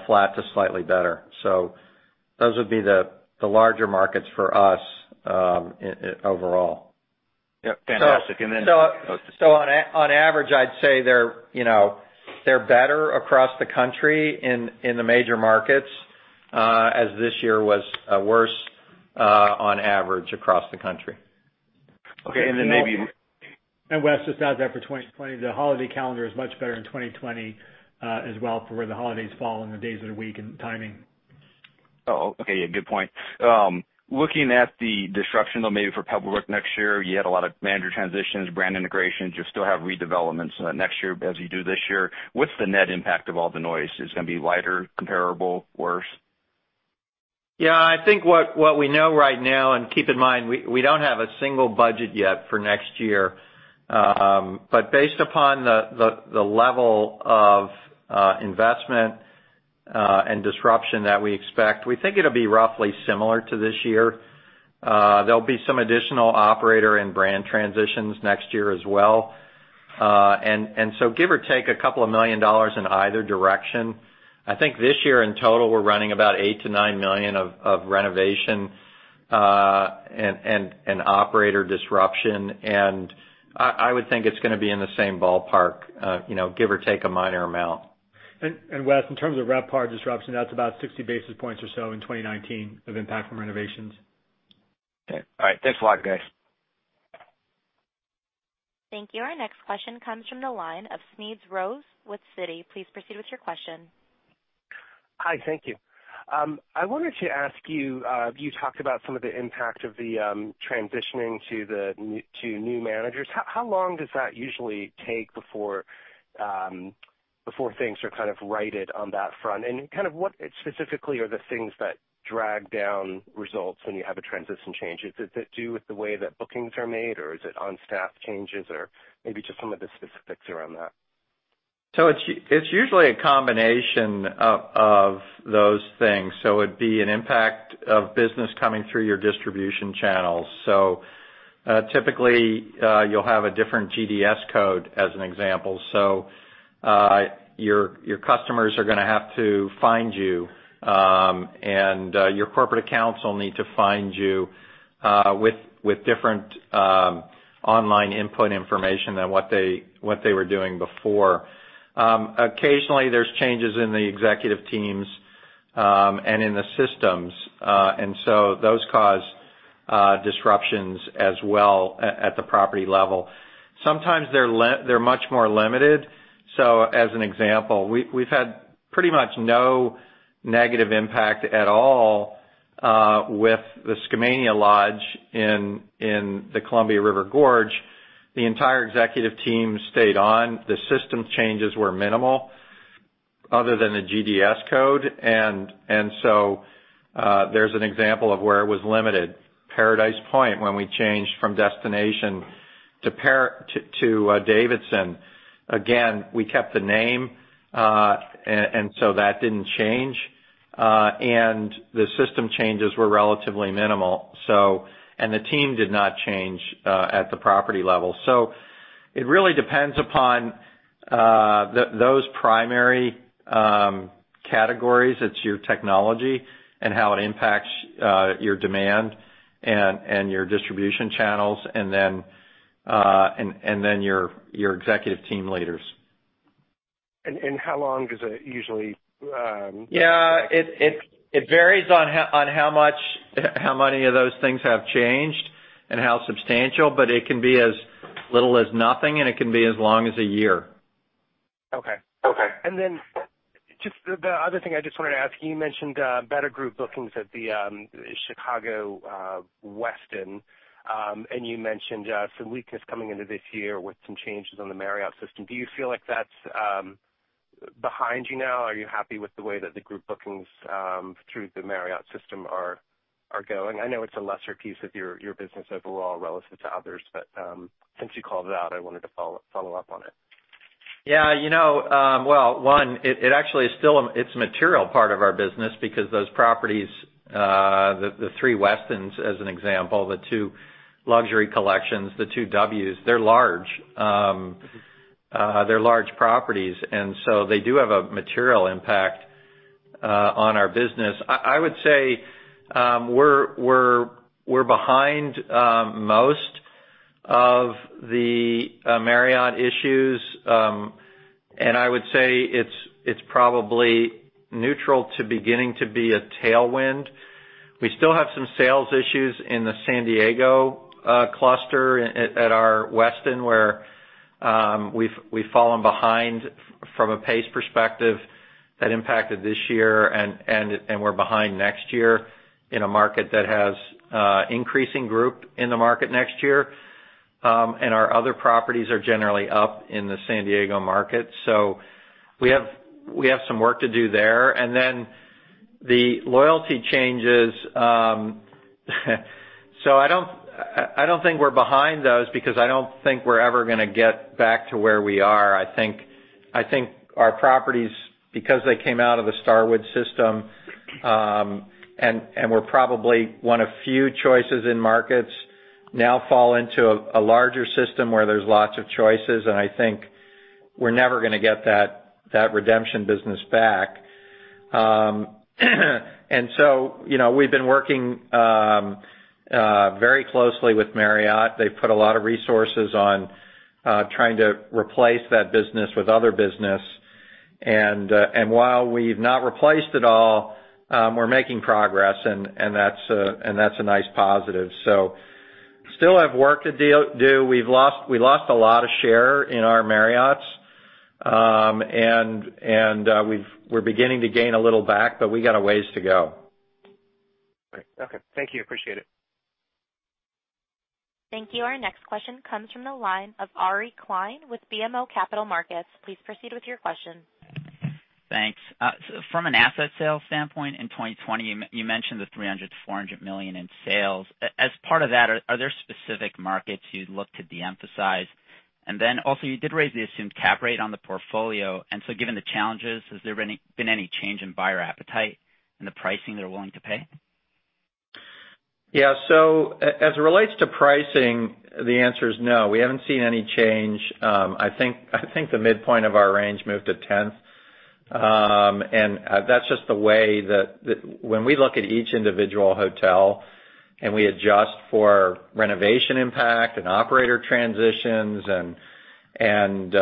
flat to slightly better. Those would be the larger markets for us overall. Yep. Fantastic. On average, I'd say they're better across the country in the major markets, as this year was worse on average across the country. Okay. Wes, just to add to that, for 2020, the holiday calendar is much better in 2020 as well, for where the holidays fall and the days of the week and timing. Oh, okay. Yeah, good point. Looking at the disruption, though, maybe for Pebblebrook next year, you had a lot of manager transitions, brand integrations. You'll still have redevelopments next year as you do this year. What's the net impact of all the noise? Is it going to be lighter, comparable, worse? Yeah, I think what we know right now, keep in mind, we don't have a single budget yet for next year; based upon the level of investment and disruption that we expect, we think it'll be roughly similar to this year. There'll be some additional operator and brand transitions next year as well. Give or take a couple of million dollars in either direction. I think this year in total, we're running about $8 million to $9 million of renovation and operator disruption. I would think it's going to be in the same ballpark, give or take a minor amount. Wes, in terms of RevPAR disruption, that's about 60 basis points or so in 2019 of impact from renovations. Okay. All right. Thanks a lot, guys. Thank you. Our next question comes from the line of Smedes Rose with Citi. Please proceed with your question. Hi. Thank you. I wanted to ask you talked about some of the impact of the transitioning to new managers. How long does that usually take before things are kind of righted on that front? What specifically are the things that drag down results when you have a transition change? Is it to do with the way that bookings are made, or is it on-staff changes, or maybe just some of the specifics around that? It's usually a combination of those things. It'd be an impact of business coming through your distribution channels. Typically, you'll have a different GDS code, as an example. Your customers are going to have to find you, and your corporate accounts will need to find you, with different online input information than what they were doing before. Occasionally, there's changes in the executive teams and in the systems. Those cause disruptions as well at the property level. Sometimes they're much more limited. As an example, we've had pretty much no negative impact at all with the Skamania Lodge in the Columbia River Gorge. The entire executive team stayed on. The system changes were minimal other than the GDS code. There's an example of where it was limited. Paradise Point, when we changed from Destination to Davidson, again, we kept the name, and so that didn't change. The system changes were relatively minimal. The team did not change at the property level. It really depends upon those primary categories. It's your technology and how it impacts your demand and your distribution channels, and then your executive team leaders. How long does it Yeah, it varies on how many of those things have changed and how substantial, but it can be as little as nothing, and it can be as long as a year. Okay. Just the other thing, I just wanted to ask you mentioned better group bookings at the Chicago Westin, and you mentioned some weakness coming into this year with some changes on the Marriott system. Do you feel like that's behind you now? Are you happy with the way that the group bookings through the Marriott system are going? I know it's a lesser piece of your business overall relative to others, but since you called it out, I wanted to follow up on it. Yeah. Well, one, it actually is still a material part of our business because those properties, the three Westins as an example, the two Luxury Collections, the two W's, they're large properties, and so they do have a material impact on our business. I would say we're behind most of the Marriott issues. I would say it's probably neutral to beginning to be a tailwind. We still have some sales issues in the San Diego cluster at our Westin, where we've fallen behind from a pace perspective that impacted this year, and we're behind next year in a market that has increasing groups in the market next year. Our other properties are generally up in the San Diego market. We have some work to do there. The loyalty changes, so I don't think we're behind those because I don't think we're ever going to get back to where we are. I think our properties, because they came out of the Starwood system, and we're probably one of few choices in markets now, fall into a larger system where there's lots of choices, and I think we're never going to get that redemption business back. We've been working very closely with Marriott. They've put a lot of resources on trying to replace that business with other business. While we've not replaced it all, we're making progress, and that's a nice positive. Still have work to do. We lost a lot of share in our Marriotts, and we're beginning to gain a little back, but we got a ways to go. Great. Okay. Thank you. Appreciate it. Thank you. Our next question comes from the line of Ari Klein with BMO Capital Markets. Please proceed with your question. Thanks. From an asset sales standpoint in 2020, you mentioned the $300 million-$400 million in sales. As part of that, are there specific markets you'd look to de-emphasize? Also, you did raise the assumed cap rate on the portfolio, and so given the challenges, has there been any change in buyer appetite and the pricing they're willing to pay? Yeah. As it relates to pricing, the answer is no. We haven't seen any change. I think the midpoint of our range moved a tenth. That's just the way that when we look at each individual hotel and we adjust for renovation impact and operator transitions and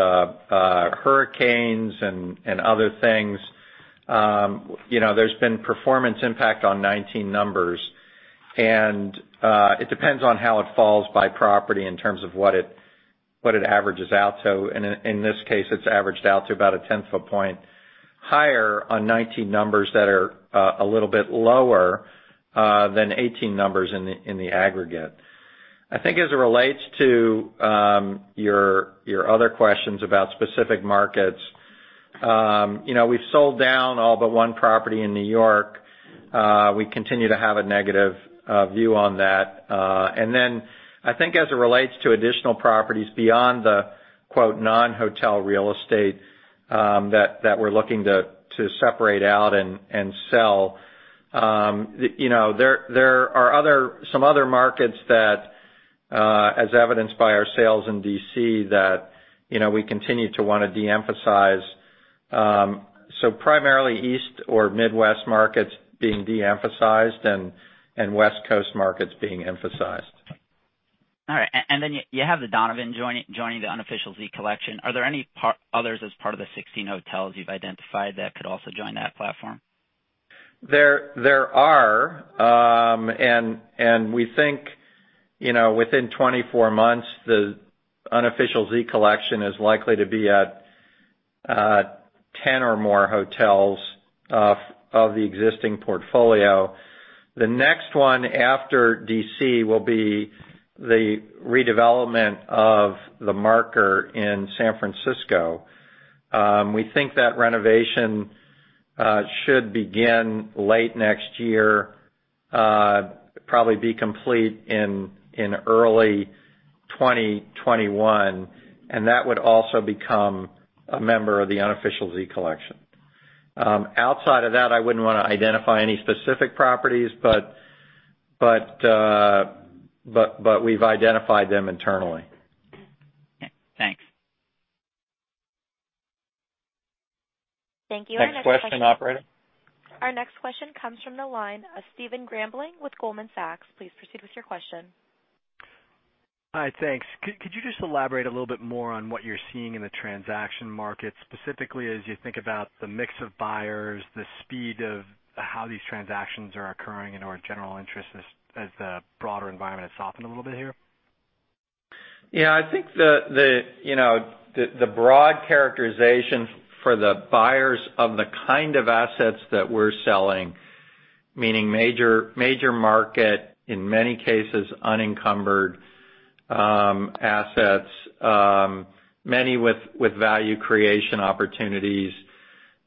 hurricanes and other things, there's been performance impact on 2019 numbers. It depends on how it falls by property in terms of what it averages out to. In this case, it's averaged out to about a tenth of a point higher on 2019 numbers that are a little bit lower than 2018 numbers in the aggregate. I think as it relates to your other questions about specific markets, we've sold down all but one property in New York. We continue to have a negative view on that. I think as it relates to additional properties beyond the, quote, "non-hotel real estate" that we're looking to separate out and sell, there are some other markets that, as evidenced by our sales in D.C., that we continue to want to de-emphasize. Primarily East or Midwest markets being de-emphasized and West Coast markets being emphasized. All right. Then you have The Donovan joining the Unofficial Z Collection. Are there any others as part of the 16 hotels you've identified that could also join that platform? There are, and we think within 24 months, the Unofficial Z Collection is likely to be at 10 or more hotels of the existing portfolio. The next one after D.C. will be the redevelopment of The Marker, San Francisco. We think that renovation should begin late next year, probably be complete in early 2021. That would also become a member of the Unofficial Z Collection. Outside of that, I wouldn't want to identify any specific properties, but we've identified them internally. Okay. Thanks. Thank you. Our next question. Next question, Operator. Our next question comes from the line of Stephen Grambling with Goldman Sachs. Please proceed with your question. Hi. Thanks. Could you just elaborate a little bit more on what you're seeing in the transaction market, specifically as you think about the mix of buyers, the speed of how these transactions are occurring, and/or general interest as the broader environment has softened a little bit here? Yeah. I think the broad characterization for the buyers of the kind of assets that we're selling, meaning major market, in many cases unencumbered assets, many with value creation opportunities.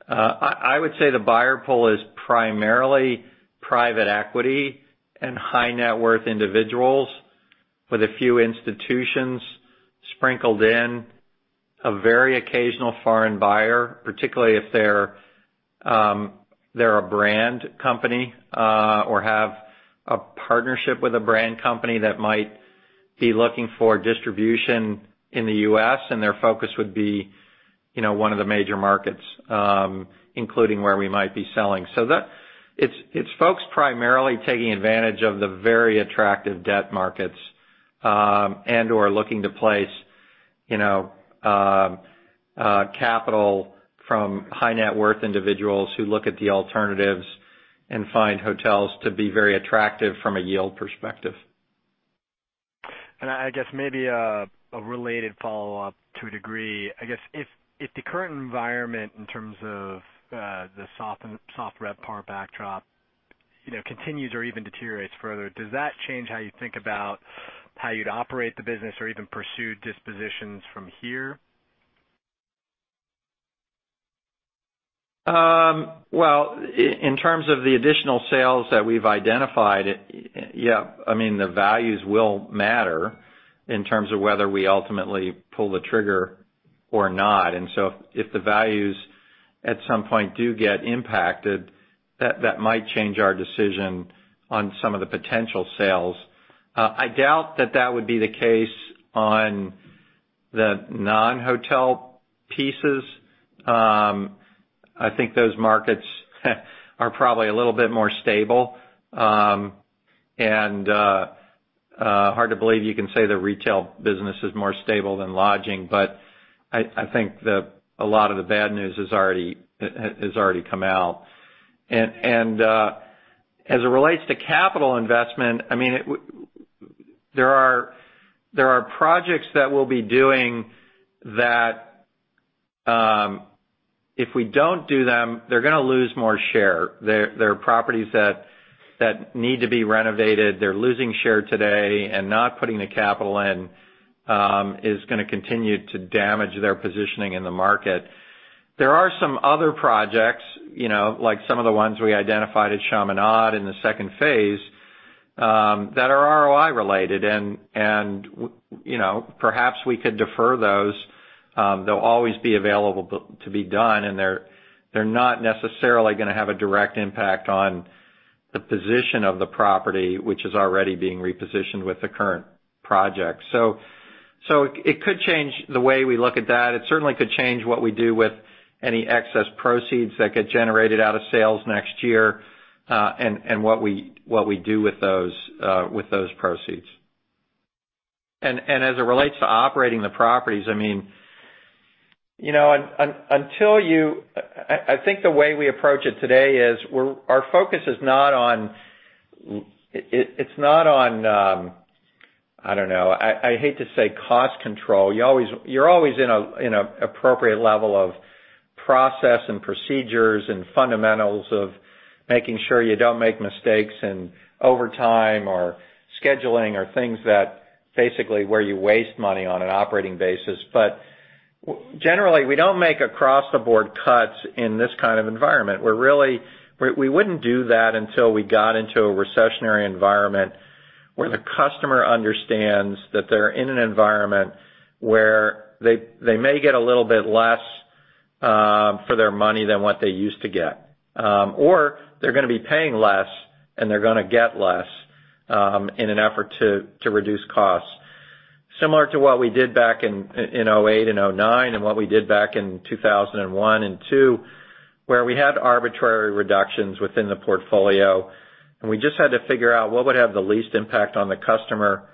I would say the buyer pool is primarily private equity and high-net-worth individuals with a few institutions sprinkled in. A very occasional foreign buyer, particularly if they're a brand company or have a partnership with a brand company that might be looking for distribution in the U.S. Their focus would be one of the major markets, including where we might be selling. It's folks primarily taking advantage of the very attractive debt markets and/or looking to place capital from high net worth individuals who look at the alternatives and find hotels to be very attractive from a yield perspective. I guess maybe a related follow-up to a degree. I guess if the current environment, in terms of the soft RevPAR backdrop, continues or even deteriorates further, does that change how you think about how you'd operate the business or even pursue dispositions from here? Well, in terms of the additional sales that we've identified, yeah. The values will matter in terms of whether we ultimately pull the trigger or not. If the values at some point do get impacted, that might change our decision on some of the potential sales. I doubt that that would be the case on the non-hotel pieces; I think those markets are probably a little bit more stable. Hard to believe you can say the retail business is more stable than lodging, but I think a lot of the bad news has already come out. As it relates to capital investment, there are projects that we'll be doing that, if we don't do them, they're going to lose more share. There are properties that need to be renovated. They're losing share today, and not putting the capital in is going to continue to damage their positioning in the market. There are some other projects, like some of the ones we identified at Chaminade in the second phase, that are ROI related, and perhaps we could defer those. They'll always be available to be done, and they're not necessarily going to have a direct impact on the position of the property, which is already being repositioned with the current project. It could change the way we look at that. It certainly could change what we do with any excess proceeds that get generated out of sales next year and what we do with those proceeds. As it relates to operating the properties, I think the way we approach it today is our focus is not on, I don't know; I hate to say cost control. You're always in an appropriate level of process and procedures and fundamentals of making sure you don't make mistakes in overtime or scheduling or things that basically where you waste money on an operating basis. Generally, we don't make across-the-board cuts in this kind of environment, where really, we wouldn't do that until we got into a recessionary environment where the customer understands that they're in an environment where they may get a little bit less for their money than what they used to get. They're going to be paying less, and they're going to get less, in an effort to reduce costs. Similar to what we did back in 2008 and 2009, and what we did back in 2001 and 2002, where we had arbitrary reductions within the portfolio, and we just had to figure out what would have the least impact on the customer,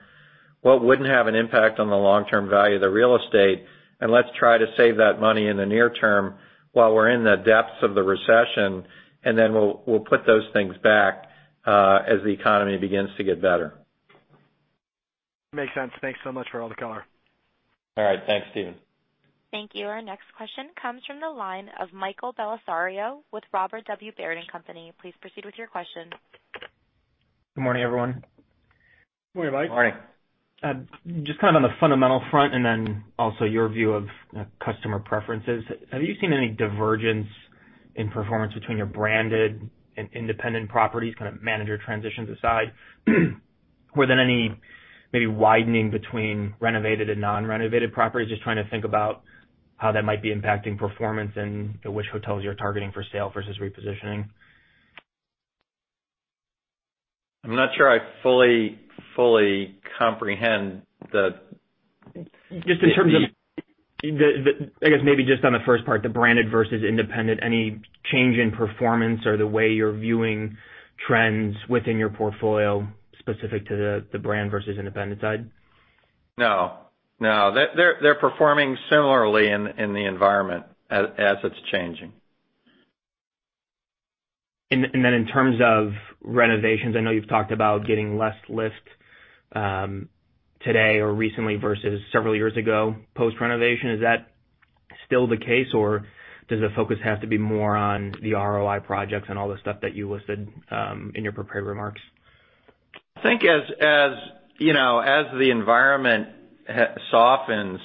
what wouldn't have an impact on the long-term value of the real estate, and let's try to save that money in the near term while we're in the depths of the recession, and then we'll put those things back as the economy begins to get better. Makes sense. Thanks so much for all the color. All right. Thanks, Stephen. Thank you. Our next question comes from the line of Michael Bellisario with Robert W. Baird & Co. Please proceed with your question. Good morning, everyone. Good morning, Mike. Morning. On the fundamental front, and then also your view of customer preferences, have you seen any divergence in performance between your branded and independent properties, manager transitions aside? More than any maybe widening between renovated and non-renovated properties? Trying to think about how that might be impacting performance and which hotels you're targeting for sale versus repositioning. I'm not sure I fully comprehend the. I guess maybe just on the first part, the branded versus independent, any change in performance or the way you're viewing trends within your portfolio specific to the brand versus independent side? No. They're performing similarly in the environment as it's changing. Then in terms of renovations, I know you've talked about getting less lift today or recently versus several years ago post-renovation. Is that still the case, or does the focus have to be more on the ROI projects and all the stuff that you listed in your prepared remarks? I think as the environment softens,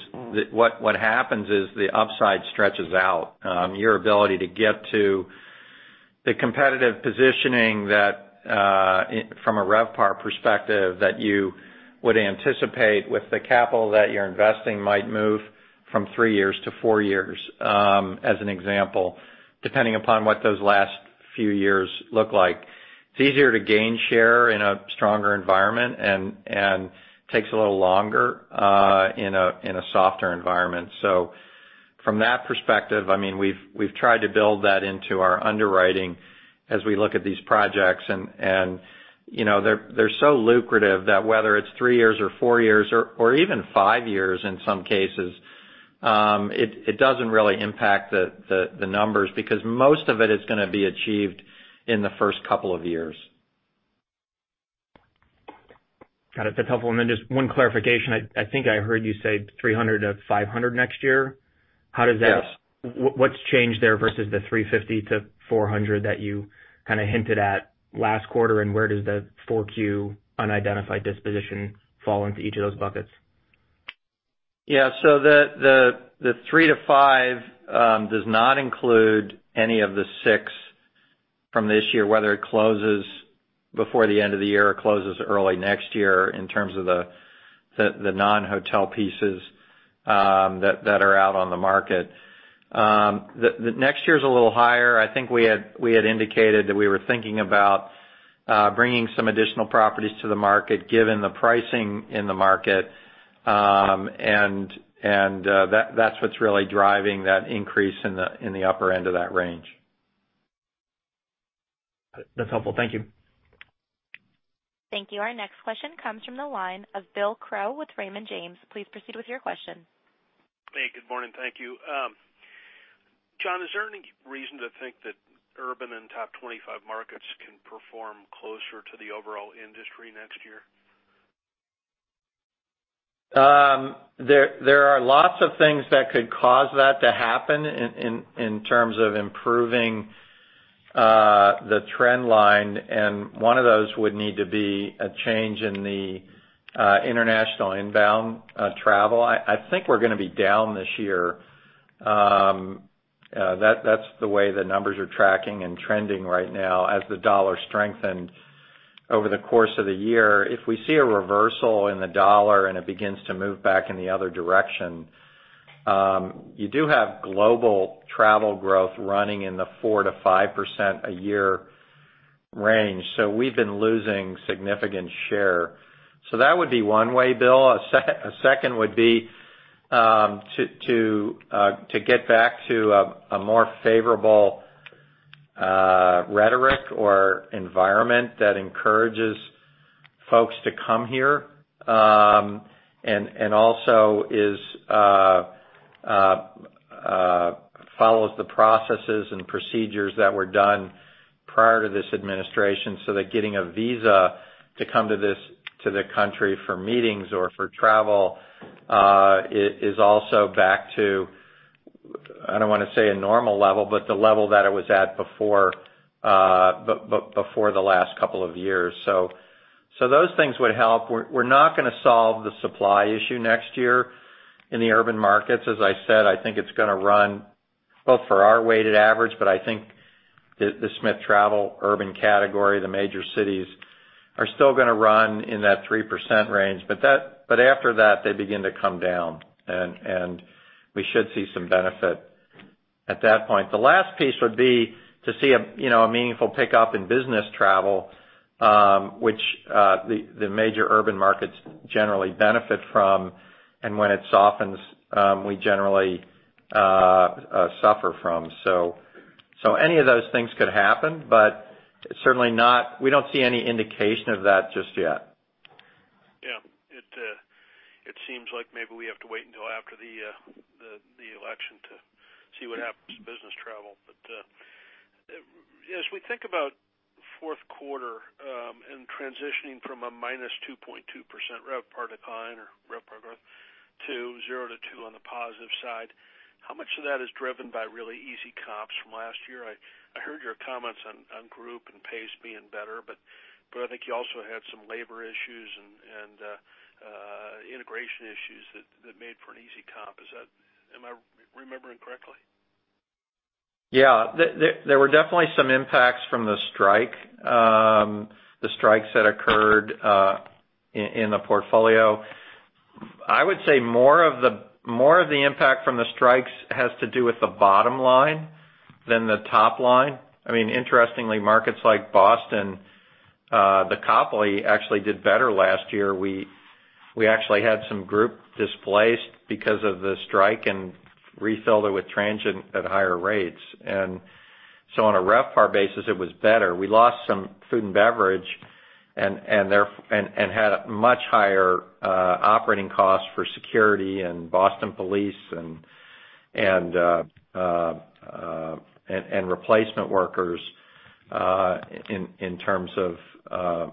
what happens is the upside stretches out. Your ability to get to the competitive positioning that, from a RevPAR perspective, that you would anticipate with the capital that you're investing might move from three years to four years, as an example, depending upon what those last few years look like. It's easier to gain share in a stronger environment and takes a little longer in a softer environment. From that perspective, we've tried to build that into our underwriting as we look at these projects. They're so lucrative that whether it's three years or four years, or even five years in some cases, it doesn't really impact the numbers because most of it is going to be achieved in the first couple of years. Got it. That's helpful. Just one clarification. I think I heard you say 300 to 500 next year. Yeah. What's changed there versus the $350-$400 that you hinted at last quarter, and where does the 4Q unidentified disposition fall into each of those buckets? Yeah. The three to five does not include any of the six from this year, whether it closes before the end of the year or closes early next year in terms of the non-hotel pieces that are out on the market. Next year's a little higher. I think we had indicated that we were thinking about bringing some additional properties to the market, given the pricing in the market. That's what's really driving that increase in the upper end of that range. That's helpful. Thank you. Thank you. Our next question comes from the line of Bill Crow with Raymond James. Please proceed with your question. Hey, good morning. Thank you. Jon, is there any reason to think that urban and top 25 markets can perform closer to the overall industry next year? There are lots of things that could cause that to happen in terms of improving the trend line, and one of those would need to be a change in the international inbound travel. I think we're going to be down this year. That's the way the numbers are tracking and trending right now as the dollar strengthened over the course of the year. If we see a reversal in the dollar and it begins to move back in the other direction, you do have global travel growth running in the 4%-5% a year range. We've been losing significant share. That would be one way, Bill. A second would be to get back to a more favorable rhetoric or environment that encourages folks to come here and also follows the processes and procedures that were done prior to this administration so that getting a visa to come to the country for meetings or for travel is also back to, I don't want to say a normal level, but the level that it was at before the last couple of years. Those things would help. We're not going to solve the supply issue next year in the urban markets. As I said, I think it's going to run both for our weighted average, but I think the Smith Travel urban category, the major cities, are still going to run in that 3% range. After that, they begin to come down, and we should see some benefit at that point. The last piece would be to see a meaningful pickup in business travel, which the major urban markets generally benefit from, and when it softens, we generally suffer from. Any of those things could happen, but we don't see any indication of that just yet. Yeah. It seems like maybe we have to wait until after the election to see what happens to business travel. As we think about fourth quarter and transitioning from a minus 2.2% RevPAR decline or RevPAR growth to 0%-2% on the positive side, how much of that is driven by really easy comps from last year? I heard your comments on group and pace being better, but I think you also had some labor issues and integration issues that made for an easy comp. Am I remembering correctly? Yeah. There were definitely some impacts from the strikes that occurred in the portfolio. I would say more of the impact from the strikes has to do with the bottom line than the top line. Interestingly, markets like Boston, The Copley, actually did better last year. We actually had some group displaced because of the strike and refilled it with transients at higher rates. On a RevPAR basis, it was better. We lost some food and beverages and had much higher operating costs for security and Boston Police and replacement workers in terms of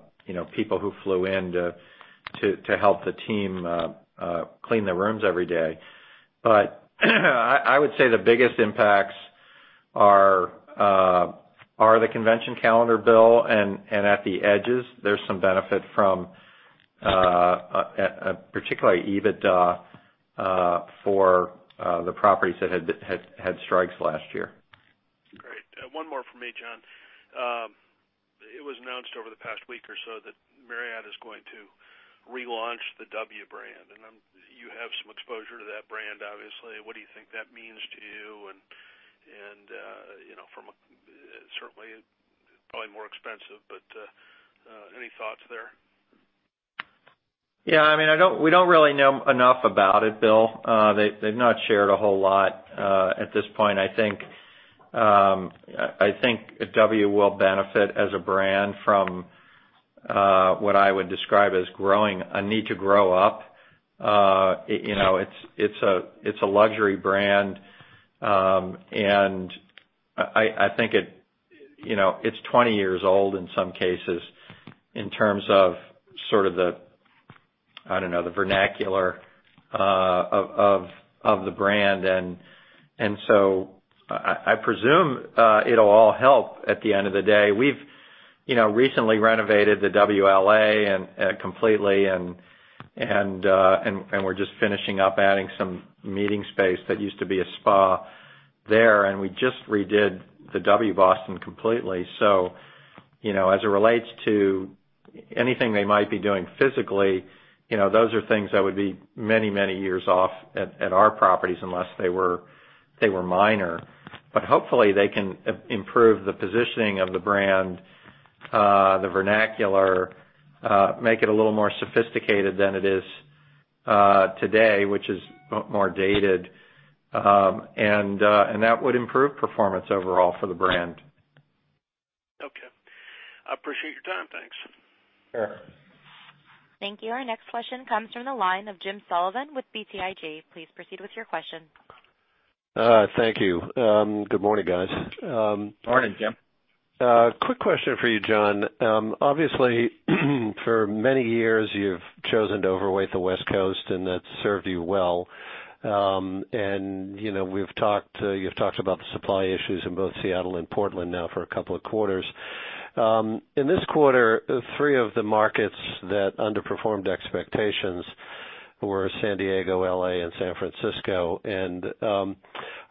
people who flew in to help the team clean the rooms every day. I would say the biggest impacts are the convention calendar, Bill, and at the edges, there's some benefit from particularly EBITDA for the properties that had strikes last year. Great. One more from me, Jon. It was announced over the past week or so that Marriott is going to relaunch the W brand, and you have some exposure to that brand, obviously. What do you think that means to you? Certainly, probably more expensive, but any thoughts there? Yeah, we don't really know enough about it, Bill. They've not shared a whole lot at this point. I think W will benefit as a brand from what I would describe as a need to grow up. It's a luxury brand, and I think it's 20 years old in some cases in terms of sort of the vernacular of the brand. I presume it'll all help at the end of the day. We've recently renovated the W L.A. completely, and we're just finishing up adding some meeting space that used to be a spa there. We just redid the W Boston completely. As it relates to anything they might be doing physically, those are things that would be many years off at our properties unless they were minor. Hopefully they can improve the positioning of the brand, the vernacular, make it a little more sophisticated than it is today, which is more dated. That would improve performance overall for the brand. Okay. I appreciate your time. Thanks. Sure. Thank you. Our next question comes from the line of Jim Sullivan with BTIG. Please proceed with your question. Thank you. Good morning, guys. Morning, Jim. Quick question for you, Jon. Obviously, for many years, you've chosen to overweight the West Coast, and that's served you well. You've talked about the supply issues in both Seattle and Portland now for a couple of quarters. In this quarter, three of the markets that underperformed expectations were San Diego, L.A., and San Francisco.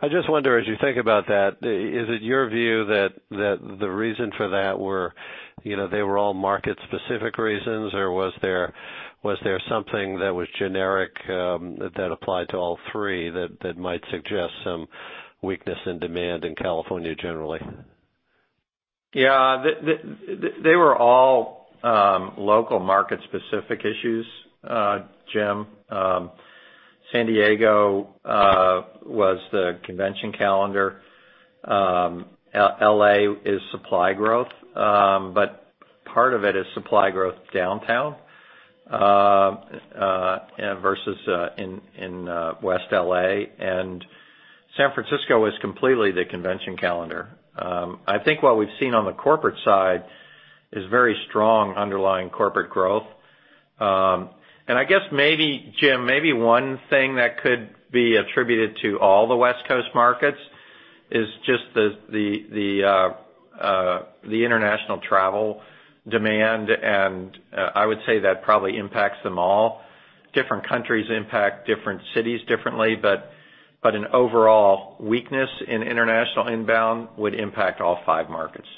I just wonder, as you think about that, is it your view that the reason for that were, they were all market-specific reasons, or was there something that was generic that applied to all three that might suggest some weakness in demand in California generally? Yeah. They were all local market-specific issues, Jim. San Diego was the convention calendar. L.A. is supply growth, but part of it is supply growth downtown versus in West L.A., and San Francisco is completely the convention calendar. I think what we've seen on the corporate side is very strong underlying corporate growth. I guess maybe, Jim, maybe one thing that could be attributed to all the West Coast markets is just the international travel demand, and I would say that probably impacts them all. Different countries impact different cities differently, but an overall weakness in international inbound would impact all five markets.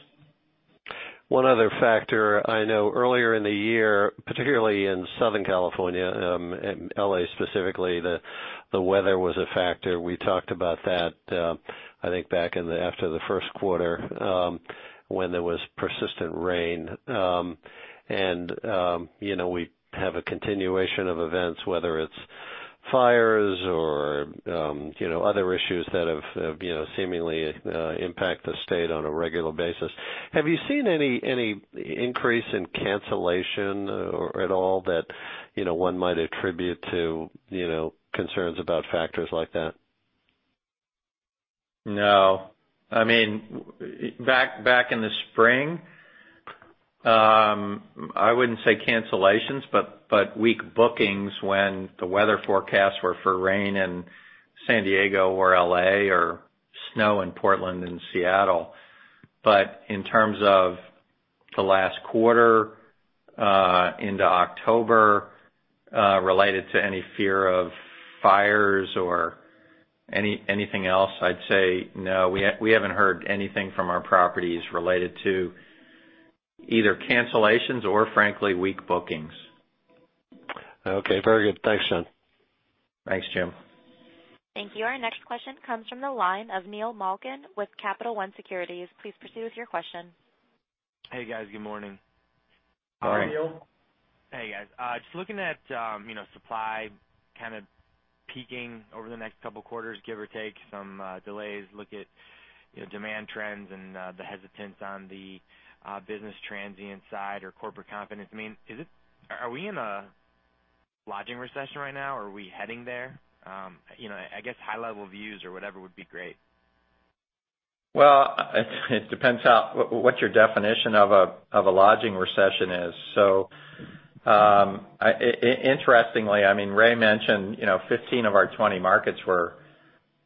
One other factor I know earlier in the year, particularly in Southern California, L.A. specifically, the weather was a factor. We talked about that, I think, back after the first quarter, when there was persistent rain. We have a continuation of events, whether it's fires or other issues that have seemingly impact the state on a regular basis. Have you seen any increase in cancellation at all that one might attribute to concerns about factors like that? No. Back in the spring, I wouldn't say cancellations, but weak bookings when the weather forecasts were for rain in San Diego or L.A. or snow in Portland and Seattle. In terms of the last quarter into October related to any fear of fires or anything else, I'd say, no, we haven't heard anything from our properties related to either cancellations or frankly, weak bookings. Okay. Very good. Thanks, Jon. Thanks, Jim. Thank you. Our next question comes from the line of Neil Malkin with Capital One Securities. Please proceed with your question. Hey, guys. Good morning. Morning, Neil. Hey, guys. Just looking at supply kind of peaking over the next couple of quarters, give or take some delays, look at demand trends and the hesitance on the business transient side or corporate confidence. Are we in a lodging recession right now, or are we heading there? I guess high-level views or whatever would be great. Well, it depends what your definition of a lodging recession is. Interestingly, Ray mentioned 15 of our 20 markets,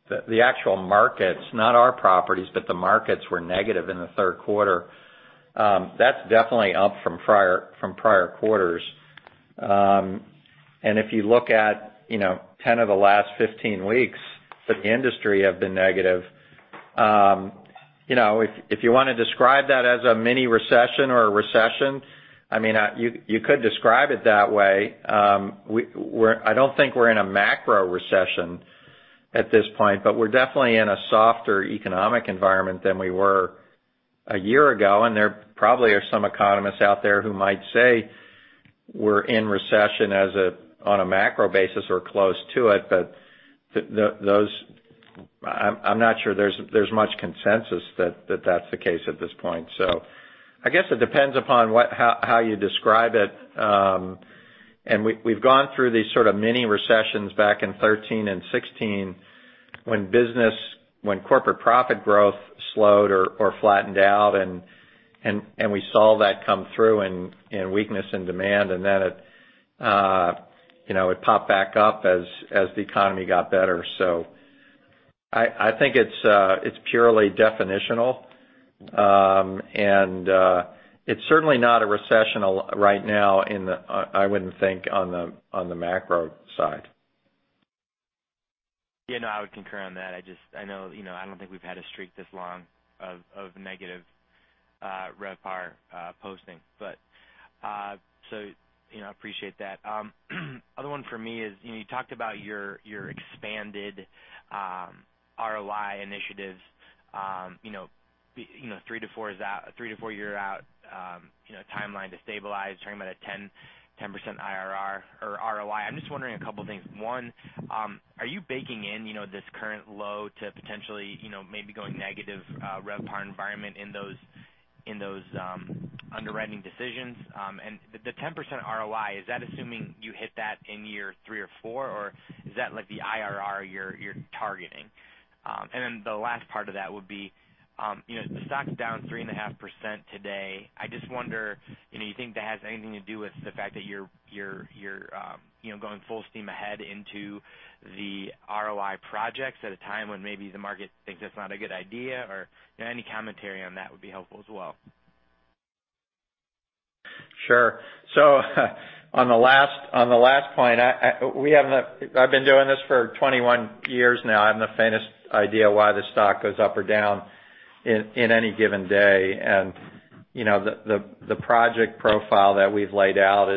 the actual markets, not our properties, but the markets were negative in the third quarter. That's definitely up from prior quarters. If you look at 10 of the last 15 weeks, the industry have been negative. If you want to describe that as a mini recession or a recession, you could describe it that way. I don't think we're in a macro recession at this point, but we're definitely in a softer economic environment than we were a year ago, and there probably are some economists out there who might say we're in recession on a macro basis or close to it, but I'm not sure there's much consensus that that's the case at this point. I guess it depends upon how you describe it. We've gone through these sorts of mini recessions back in 2013 and 2016 when corporate profit growth slowed or flattened out, and we saw that come through in weakness in demand, and then it popped back up as the economy got better. I think it's purely definitional, and it's certainly not a recession right now, I wouldn't think, on the macro side. Yeah, no, I would concur on that. I don't think we've had a streak this long of negative RevPAR posting. I appreciate that. Other one for me is you talked about your expanded ROI initiatives, a three- to four-year timeline to stabilize, talking about a 10% IRR or ROI. I'm just wondering a couple of things. One, are you baking in this current low to potentially maybe going negative RevPAR environment in those underwriting decisions? The 10% ROI, is that assuming you hit that in year three or four, or is that like the IRR you're targeting? The last part of that would be the stock's down 3.5% today. I just wonder, do you think that has anything to do with the fact that you're going full steam ahead into the ROI projects at a time when maybe the market thinks that's not a good idea? Any commentary on that would be helpful as well. Sure. On the last point, I've been doing this for 21 years now. I haven't the faintest idea why the stock goes up or down in any given day. The project profile that we've laid out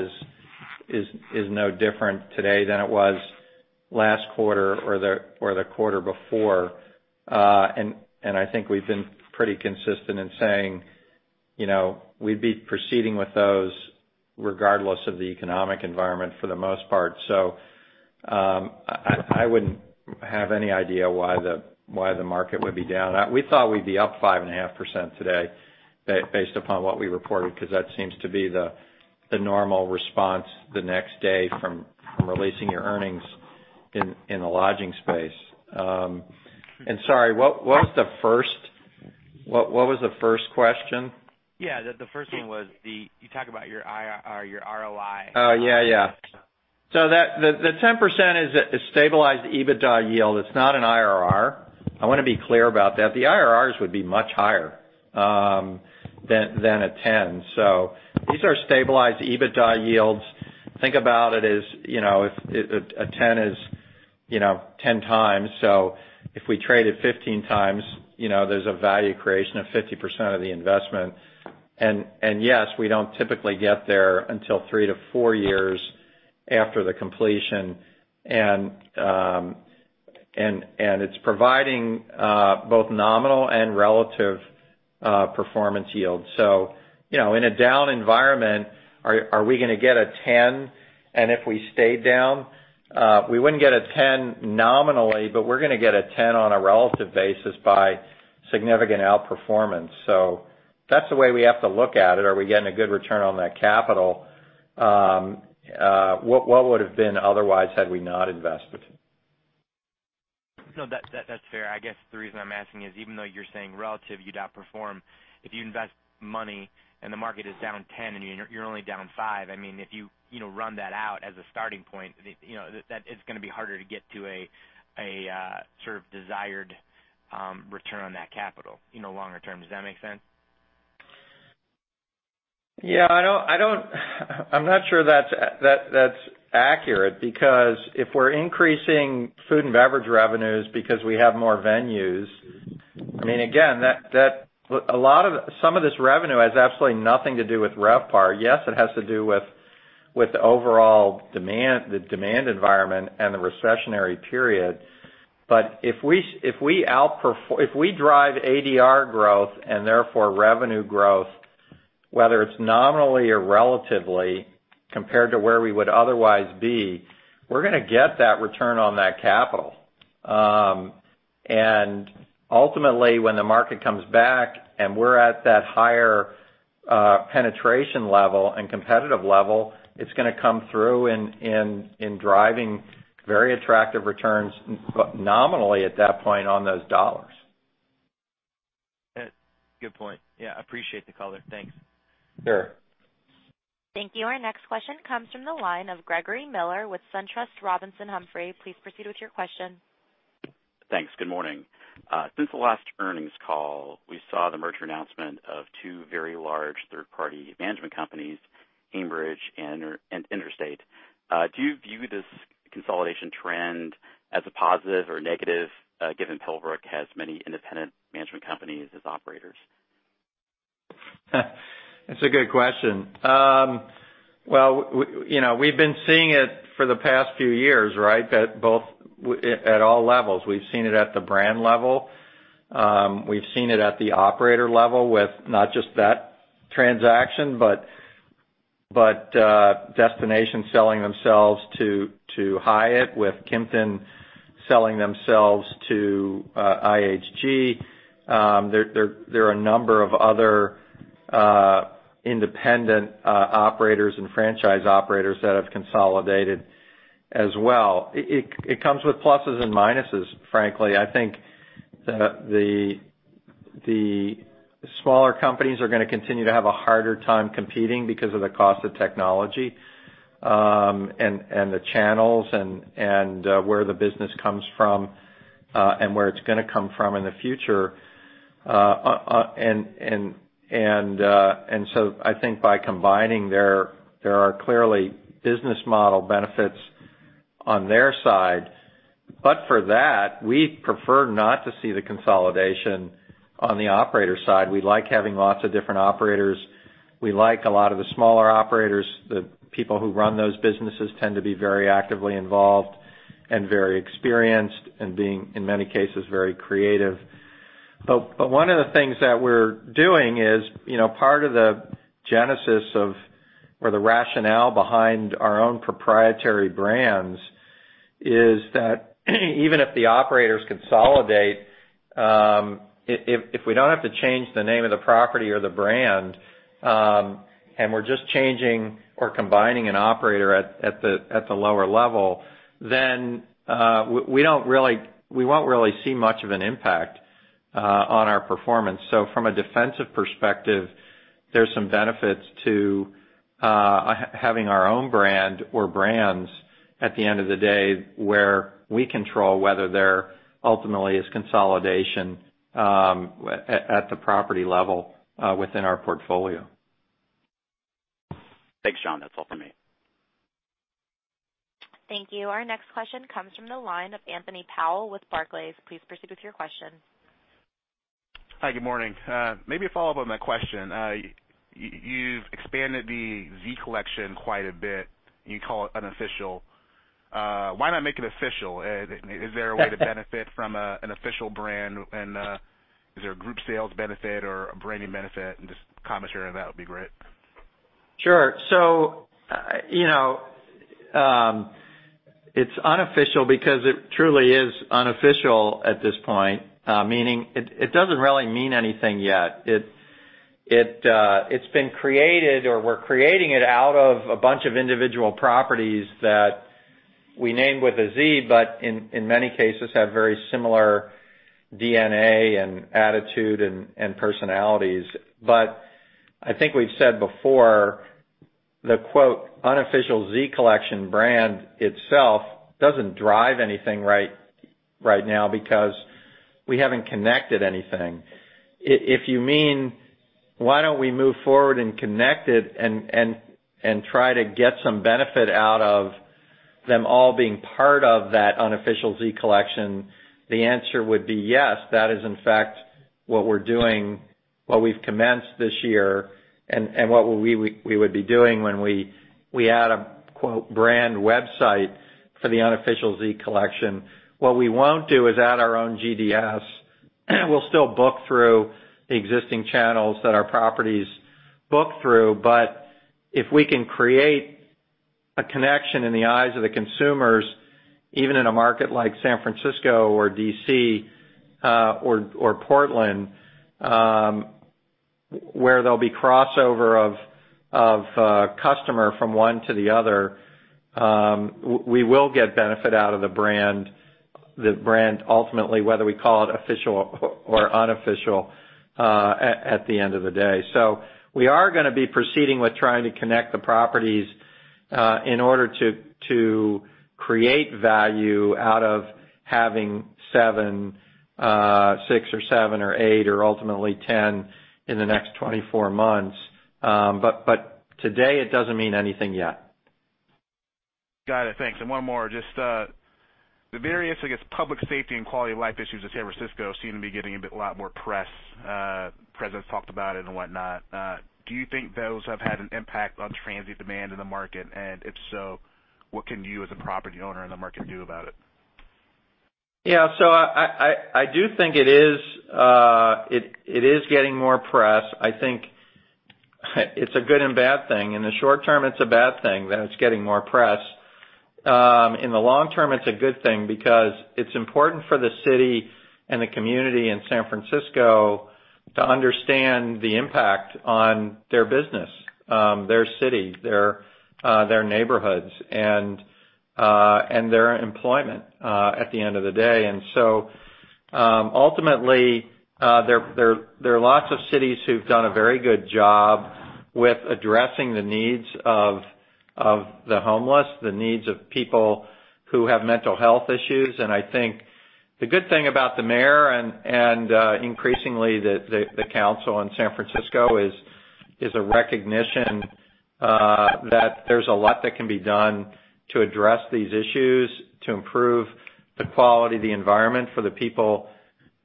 is no different today than it was last quarter or the quarter before. I think we've been pretty consistent in saying we'd be proceeding with those regardless of the economic environment for the most part. I wouldn't have any idea why the market would be down. We thought we'd be up 5.5% today based upon what we reported, because that seems to be the normal response the next day from releasing your earnings in the lodging space. Sorry, what was the first question? Yeah. The first thing was you talk about your ROI. Oh, yeah. The 10% is a stabilized EBITDA yield. It's not an IRR. I want to be clear about that. The IRRs would be much higher than a 10. These are stabilized EBITDA yields. Think about it as a 10 is 10 times, so if we trade it 15 times, there's a value creation of 50% of the investment. Yes, we don't typically get there until three to four years after the completion. It's providing both nominal and relative performance yields. In a down environment, are we going to get a 10? If we stay down, we wouldn't get a 10 nominally, but we're going to get a 10 on a relative basis by significant outperformance. That's the way we have to look at it. Are we getting a good return on that capital? What would've been otherwise had we not invested? No, that's fair. I guess the reason I'm asking is even though you're saying relative you'd outperform, if you invest money and the market is down 10% and you're only down 5%, if you run that out as a starting point, it's going to be harder to get to a sort of desired return on that capital longer term. Does that make sense? Yeah, I'm not sure that's accurate, because if we're increasing food and beverage revenues because we have more venues, again, some of this revenue has absolutely nothing to do with RevPAR. Yes, it has to do with the overall demand, the demand environment, and the recessionary period. If we drive ADR growth and therefore revenue growth, whether it's nominally or relatively compared to where we would otherwise be, we're going to get that return on that capital. Ultimately, when the market comes back and we're at that higher penetration level and competitive level, it's going to come through in driving very attractive returns nominally at that point on those dollars. Good point. Yeah, appreciate the color. Thanks. Sure. Thank you. Our next question comes from the line of Gregory Miller with SunTrust Robinson Humphrey. Please proceed with your question. Thanks. Good morning. Since the last earnings call, we saw the merger announcement of two very large third-party management companies, Aimbridge and Interstate. Do you view this consolidation trend as a positive or negative, given Pebblebrook has many independent management companies as operators? That's a good question. Well, we've been seeing it for the past few years, right? At all levels. We've seen it at the brand level. We've seen it at the operator level with not just that transaction but Destination selling themselves to Hyatt, with Kimpton selling themselves to IHG. There are a number of other independent operators and franchise operators that have consolidated as well. It comes with pluses and minuses, frankly. I think the smaller companies are going to continue to have a harder time competing because of the cost of technology, and the channels, and where the business comes from, and where it's going to come from in the future. I think by combining, there are clearly business model benefits on their side. For that, we prefer not to see the consolidation on the operator side. We like having lots of different operators. We like a lot of the smaller operators. The people who run those businesses tend to be very actively involved and very experienced and being, in many cases, very creative. One of the things that we're doing is part of the genesis of, or the rationale behind, our own proprietary brands is that even if the operators consolidate, if we don't have to change the name of the property or the brand and we're just changing or combining an operator at the lower level, then we won't really see much of an impact on our performance. From a defensive perspective, there's some benefits to having our own brand or brands at the end of the day, where we control whether there ultimately is consolidation at the property level within our portfolio. Thanks, Jon. That's all for me. Thank you. Our next question comes from the line of Anthony Powell with Barclays. Please proceed with your question. Hi, good morning. Maybe a follow-up on that question. You've expanded the Z Collection quite a bit, and you call it unofficial. Why not make it official? Is there a way to benefit from an official brand, and is there a group sales benefit or a branding benefit, and just a commentary on that would be great. Sure. It's unofficial because it truly is unofficial at this point, meaning it doesn't really mean anything yet. It's been created, or we're creating it out of a bunch of individual properties that we named with a Z but in many cases have very similar DNA and attitude and personalities. I think we've said before, the, quote, "Unofficial Z Collection brand itself doesn't drive anything right now because we haven't connected anything. If you mean why don't we move forward and connect it and try to get some benefit out of them all being part of that Unofficial Z Collection, the answer would be yes. That is, in fact, what we're doing, what we've commenced this year, and what we would be doing when we add a, quote, "brand website" for the Unofficial Z Collection. What we won't do is add our own GDS. We'll still book through the existing channels that our properties book through. If we can create a connection in the eyes of the consumers, even in a market like San Francisco or D.C. or Portland, where there'll be crossover of customers from one to the other, we will get benefit out of the brand, ultimately, whether we call it official or unofficial at the end of the day. We are going to be proceeding with trying to connect the properties in order to create value out of having six or seven or eight or ultimately 10 in the next 24 months. Today, it doesn't mean anything yet. Got it. Thanks. One more. Just the various, I guess, public safety and quality of life issues in San Francisco seem to be getting a lot more press. Press has talked about it and whatnot. Do you think those have had an impact on transient demand in the market? If so, what can you, as a property owner in the market, do about it? Yeah. I do think it is getting more press. I think it's a good and bad thing. In the short term, it's a bad thing that it's getting more press. In the long term, it's a good thing because it's important for the city and the community in San Francisco to understand the impact on their business, their city, their neighborhoods, and their employment at the end of the day. Ultimately, there are lots of cities who've done a very good job with addressing the needs of the homeless, the needs of people who have mental health issues. I think the good thing about the mayor, and increasingly the council in San Francisco, is a recognition that there's a lot that can be done to address these issues, to improve the quality of the environment for the people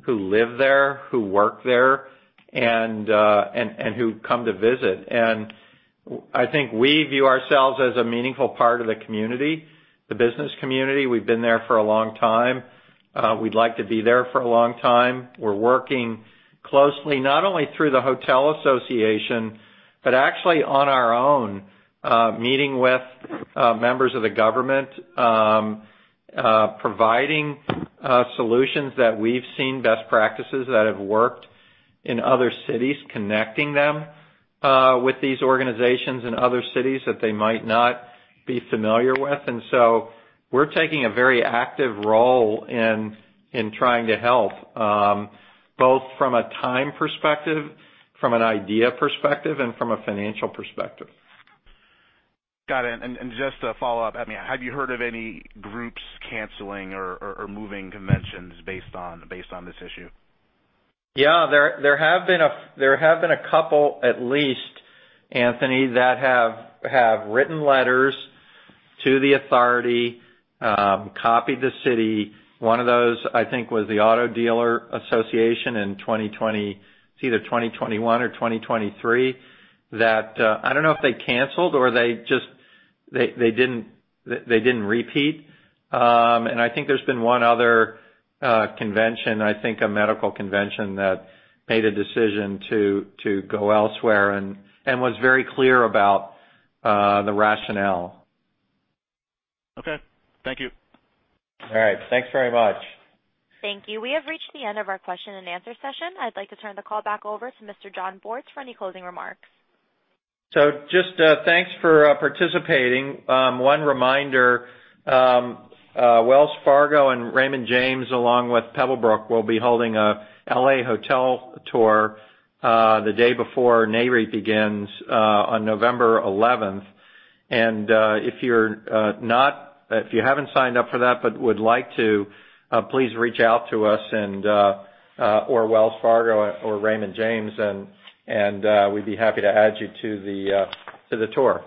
who live there, who work there, and who come to visit. I think we view ourselves as a meaningful part of the community, the business community. We've been there for a long time. We'd like to be there for a long time. We're working closely, not only through the hotel association but actually on our own, meeting with members of the government, providing solutions that we've seen, best practices that have worked in other cities, connecting them with these organizations in other cities that they might not be familiar with. We're taking a very active role in trying to help, both from a time perspective, from an idea perspective, and from a financial perspective. Got it. Just a follow-up. Have you heard of any groups canceling or moving conventions based on this issue? Yeah. There have been a couple at least, Anthony, that have written letters to the authority, copied the city. One of those, I think, was the Auto Dealer Association in either 2021 or 2023, that I don't know if they canceled or they didn't repeat. I think there's been one other convention, I think a medical convention, that made a decision to go elsewhere and was very clear about the rationale. Okay. Thank you. All right. Thanks very much. Thank you. We have reached the end of our question-and-answer session. I'd like to turn the call back over to Mr. Jon Bortz for any closing remarks. Just thanks for participating. One reminder: Wells Fargo and Raymond James, along with Pebblebrook, will be holding a L.A. hotel tour the day before NAREIT begins on November 11th. If you haven't signed up for that but would like to, please reach out to us or Wells Fargo or Raymond James, and we'd be happy to add you to the tour.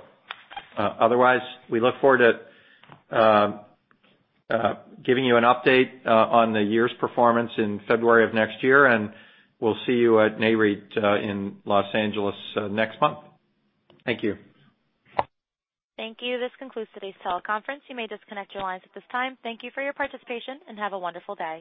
Otherwise, we look forward to giving you an update on the year's performance in February of next year, and we'll see you at NAREIT in Los Angeles next month. Thank you. Thank you. This concludes today's teleconference. You may disconnect your lines at this time. Thank you for your participation, and have a wonderful day.